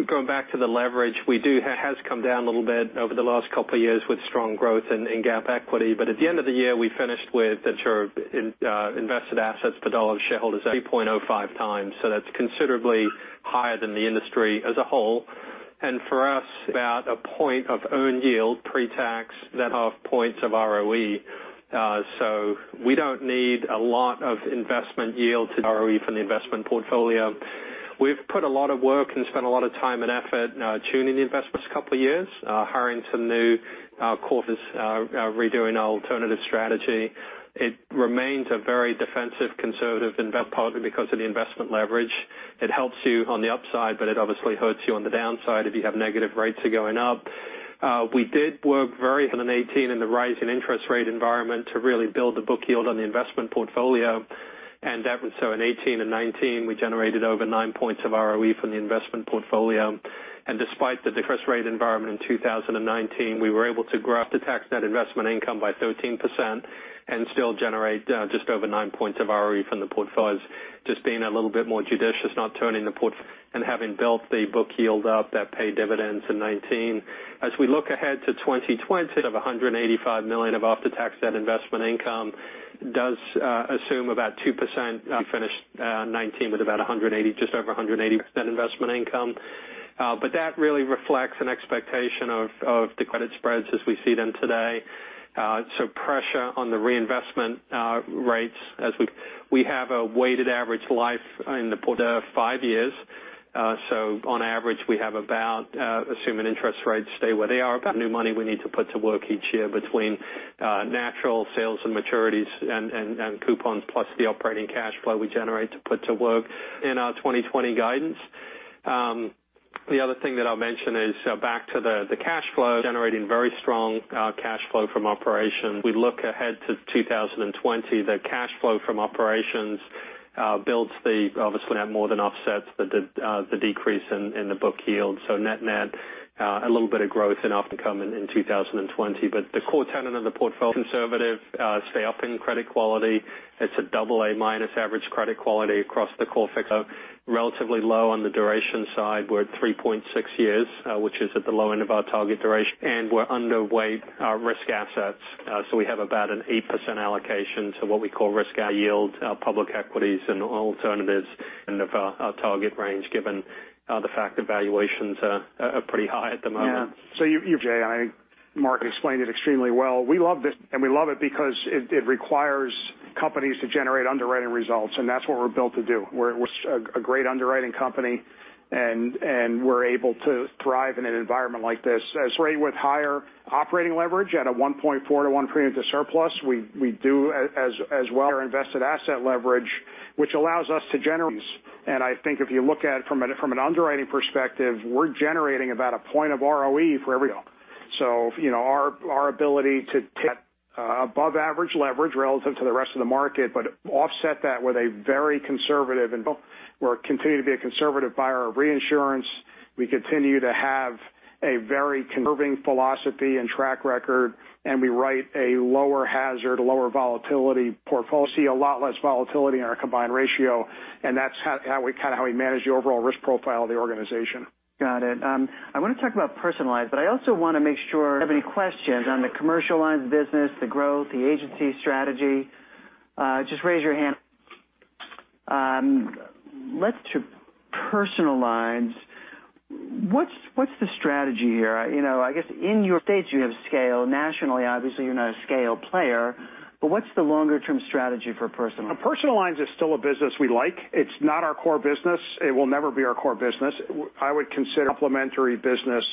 Going back to the leverage, it has come down a little bit over the last couple of years with strong growth in GAAP equity. At the end of the year, we finished with in terms of invested assets per dollar of shareholders, 3.05 times. That's considerably higher than the industry as a whole. For us, about a point of earned yield pre-tax, that are points of ROE. We don't need a lot of investment yield to ROE from the investment portfolio. We've put a lot of work and spent a lot of time and effort tuning the investments the couple of years, hiring some new core] redoing alternative strategy. It remains a very defensive, conservative investment partly because of the investment leverage. It helps you on the upside, it obviously hurts you on the downside if you have negative rates going up. We did work very in 2018 in the rise in interest rate environment to really build the book yield on the investment portfolio, in 2018 and 2019, we generated over nine points of ROE from the investment portfolio. Despite the interest rate environment in 2019, we were able to grow after-tax net investment income by 13% and still generate just over nine points of ROE from the portfolios. Just being a little bit more judicious, not turning the portfolio and having built the book yield up, that paid dividends in 2019. As we look ahead to 2020 of $185 million of after-tax net investment income does assume about 2%. We finished 2019 with about just over $180 million investment income. That really reflects an expectation of the credit spreads as we see them today. Pressure on the reinvestment rates as we have a weighted average life in the port of 5 years. On average, we have about, assume interest rates stay where they are, about new money we need to put to work each year between natural sales and maturities and coupons, plus the operating cash flow we generate to put to work in our 2020 guidance. The other thing that I'll mention is back to the cash flow, generating very strong cash flow from operations. We look ahead to 2020, the cash flow from operations builds, obviously more than offsets the decrease in the book yield. Net net, a little bit of growth in outcome in 2020. The core tenet of the portfolio, conservative, stay up in credit quality. It's a AA-minus average credit quality across the core fixed, relatively low on the duration side. We're at 3.6 years, which is at the low end of our target duration, and we're underweight our risk assets. We have about an 8% allocation to what we call risk yield, public equities, and alternatives end of our target range given the fact that valuations are pretty high at the moment. You, Jay, Mark explained it extremely well. We love this, and we love it because it requires companies to generate underwriting results, and that's what we're built to do. We're a great underwriting company, and we're able to thrive in an environment like this. Especially with higher operating leverage at a 1.4 to 1 premium to surplus. I think if you look at it from an underwriting perspective, we're generating about a point of ROE. Our ability to above average leverage relative to the rest of the market, but offset that with a very conservative and we continue to be a conservative buyer of reinsurance. We continue to have a very conservative philosophy and track record, and we write a lower hazard, lower volatility portfolio. We see a lot less volatility in our combined ratio, and that's how we manage the overall risk profile of the organization. Got it. I want to talk about personal lines. I also want to make sure I have any questions on the commercial lines business, the growth, the agency strategy. Just raise your hand. Let's do personal lines. What's the strategy here? I guess in your states, you have scale. Nationally, obviously, you're not a scale player. What's the longer-term strategy for personal lines? Personal lines is still a business we like. It's not our core business. It will never be our core business. I would consider complimentary business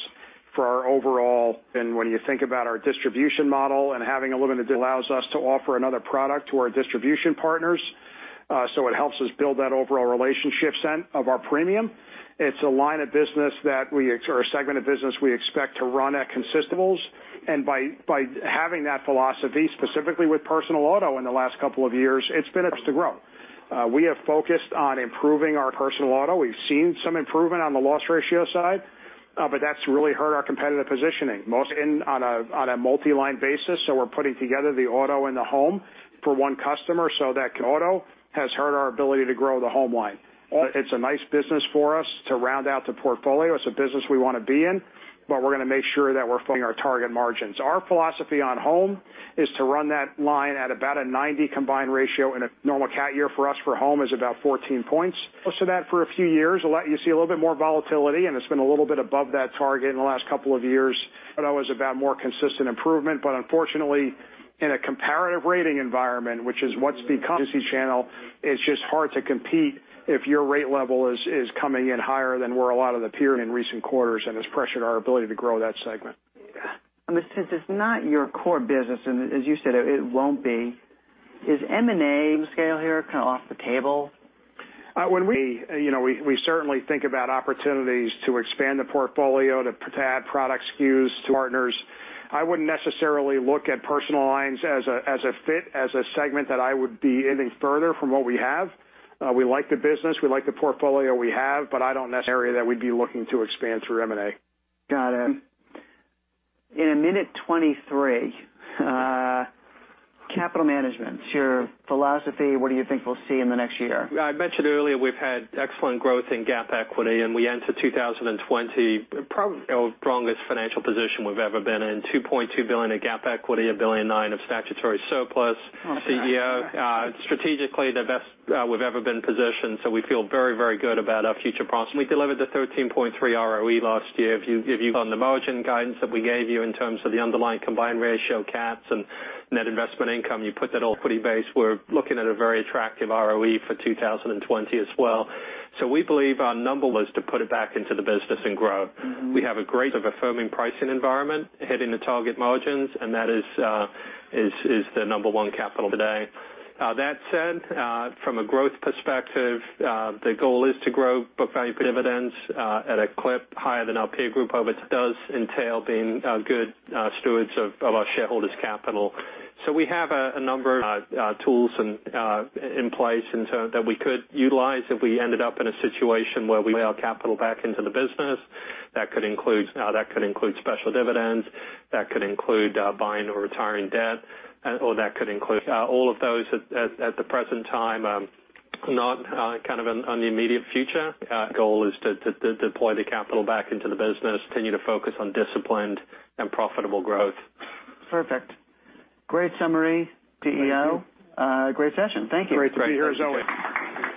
for our overall. When you think about our distribution model and having a limited allows us to offer another product to our distribution partners. It helps us build that overall relationship cent of our premium. It's a line of business that we, or a segment of business we expect to run at consistables. By having that philosophy, specifically with personal auto in the last two years, it's been to grow. We have focused on improving our personal auto. We've seen some improvement on the loss ratio side. That's really hurt our competitive positioning, mostly on a multi-line basis. We're putting together the auto and the home for one customer so that auto has hurt our ability to grow the home line. It's a nice business for us to round out the portfolio. It's a business we want to be in. We're going to make sure that we're filling our target margins. Our philosophy on home is to run that line at about a 90% combined ratio in a normal cat year for us for home is about 14 percentage points. Most of that for a few years, you see a little bit more volatility, and it's been a little bit above that target in the last two years. I was about more consistent improvement. Unfortunately, in a comparative rating environment, which is what's become agency channel, it's just hard to compete if your rate level is coming in higher than where a lot of the peer in recent quarters, and has pressured our ability to grow that segment. Since it's not your core business, and as you said, it won't be, is M&A scale here kind of off the table? We certainly think about opportunities to expand the portfolio, to add product SKUs to partners. I wouldn't necessarily look at personal lines as a fit, as a segment that I would be any further from what we have. We like the business. We like the portfolio we have. Area that we'd be looking to expand through M&A. Got it. In a minute 23, capital management, your philosophy, what do you think we'll see in the next year? I mentioned earlier, we've had excellent growth in GAAP equity. We enter 2020, probably our strongest financial position we've ever been in, $2.2 billion of GAAP equity, $1.9 billion of statutory surplus. Okay. CEO. Strategically, the best we've ever been positioned, we feel very, very good about our future prospects. We delivered a 13.3 ROE last year. If you on the margin guidance that we gave you in terms of the underlying combined ratio caps and net investment income, you put that all equity base, we're looking at a very attractive ROE for 2020 as well. We believe our number was to put it back into the business and grow. We have a great of affirming pricing environment heading to target margins, and that is the number one capital today. That said, from a growth perspective, the goal is to grow book value dividends at a clip higher than our peer group, which does entail being good stewards of our shareholders' capital. We have a number of tools in place that we could utilize if we ended up in a situation where we lay our capital back into the business. That could include special dividends, that could include buying or retiring debt, or that could include all of those at the present time, not kind of on the immediate future. Our goal is to deploy the capital back into the business, continue to focus on disciplined and profitable growth. Perfect. Great summary, CEO. Thank you. Great session. Thank you. Great to be here as always.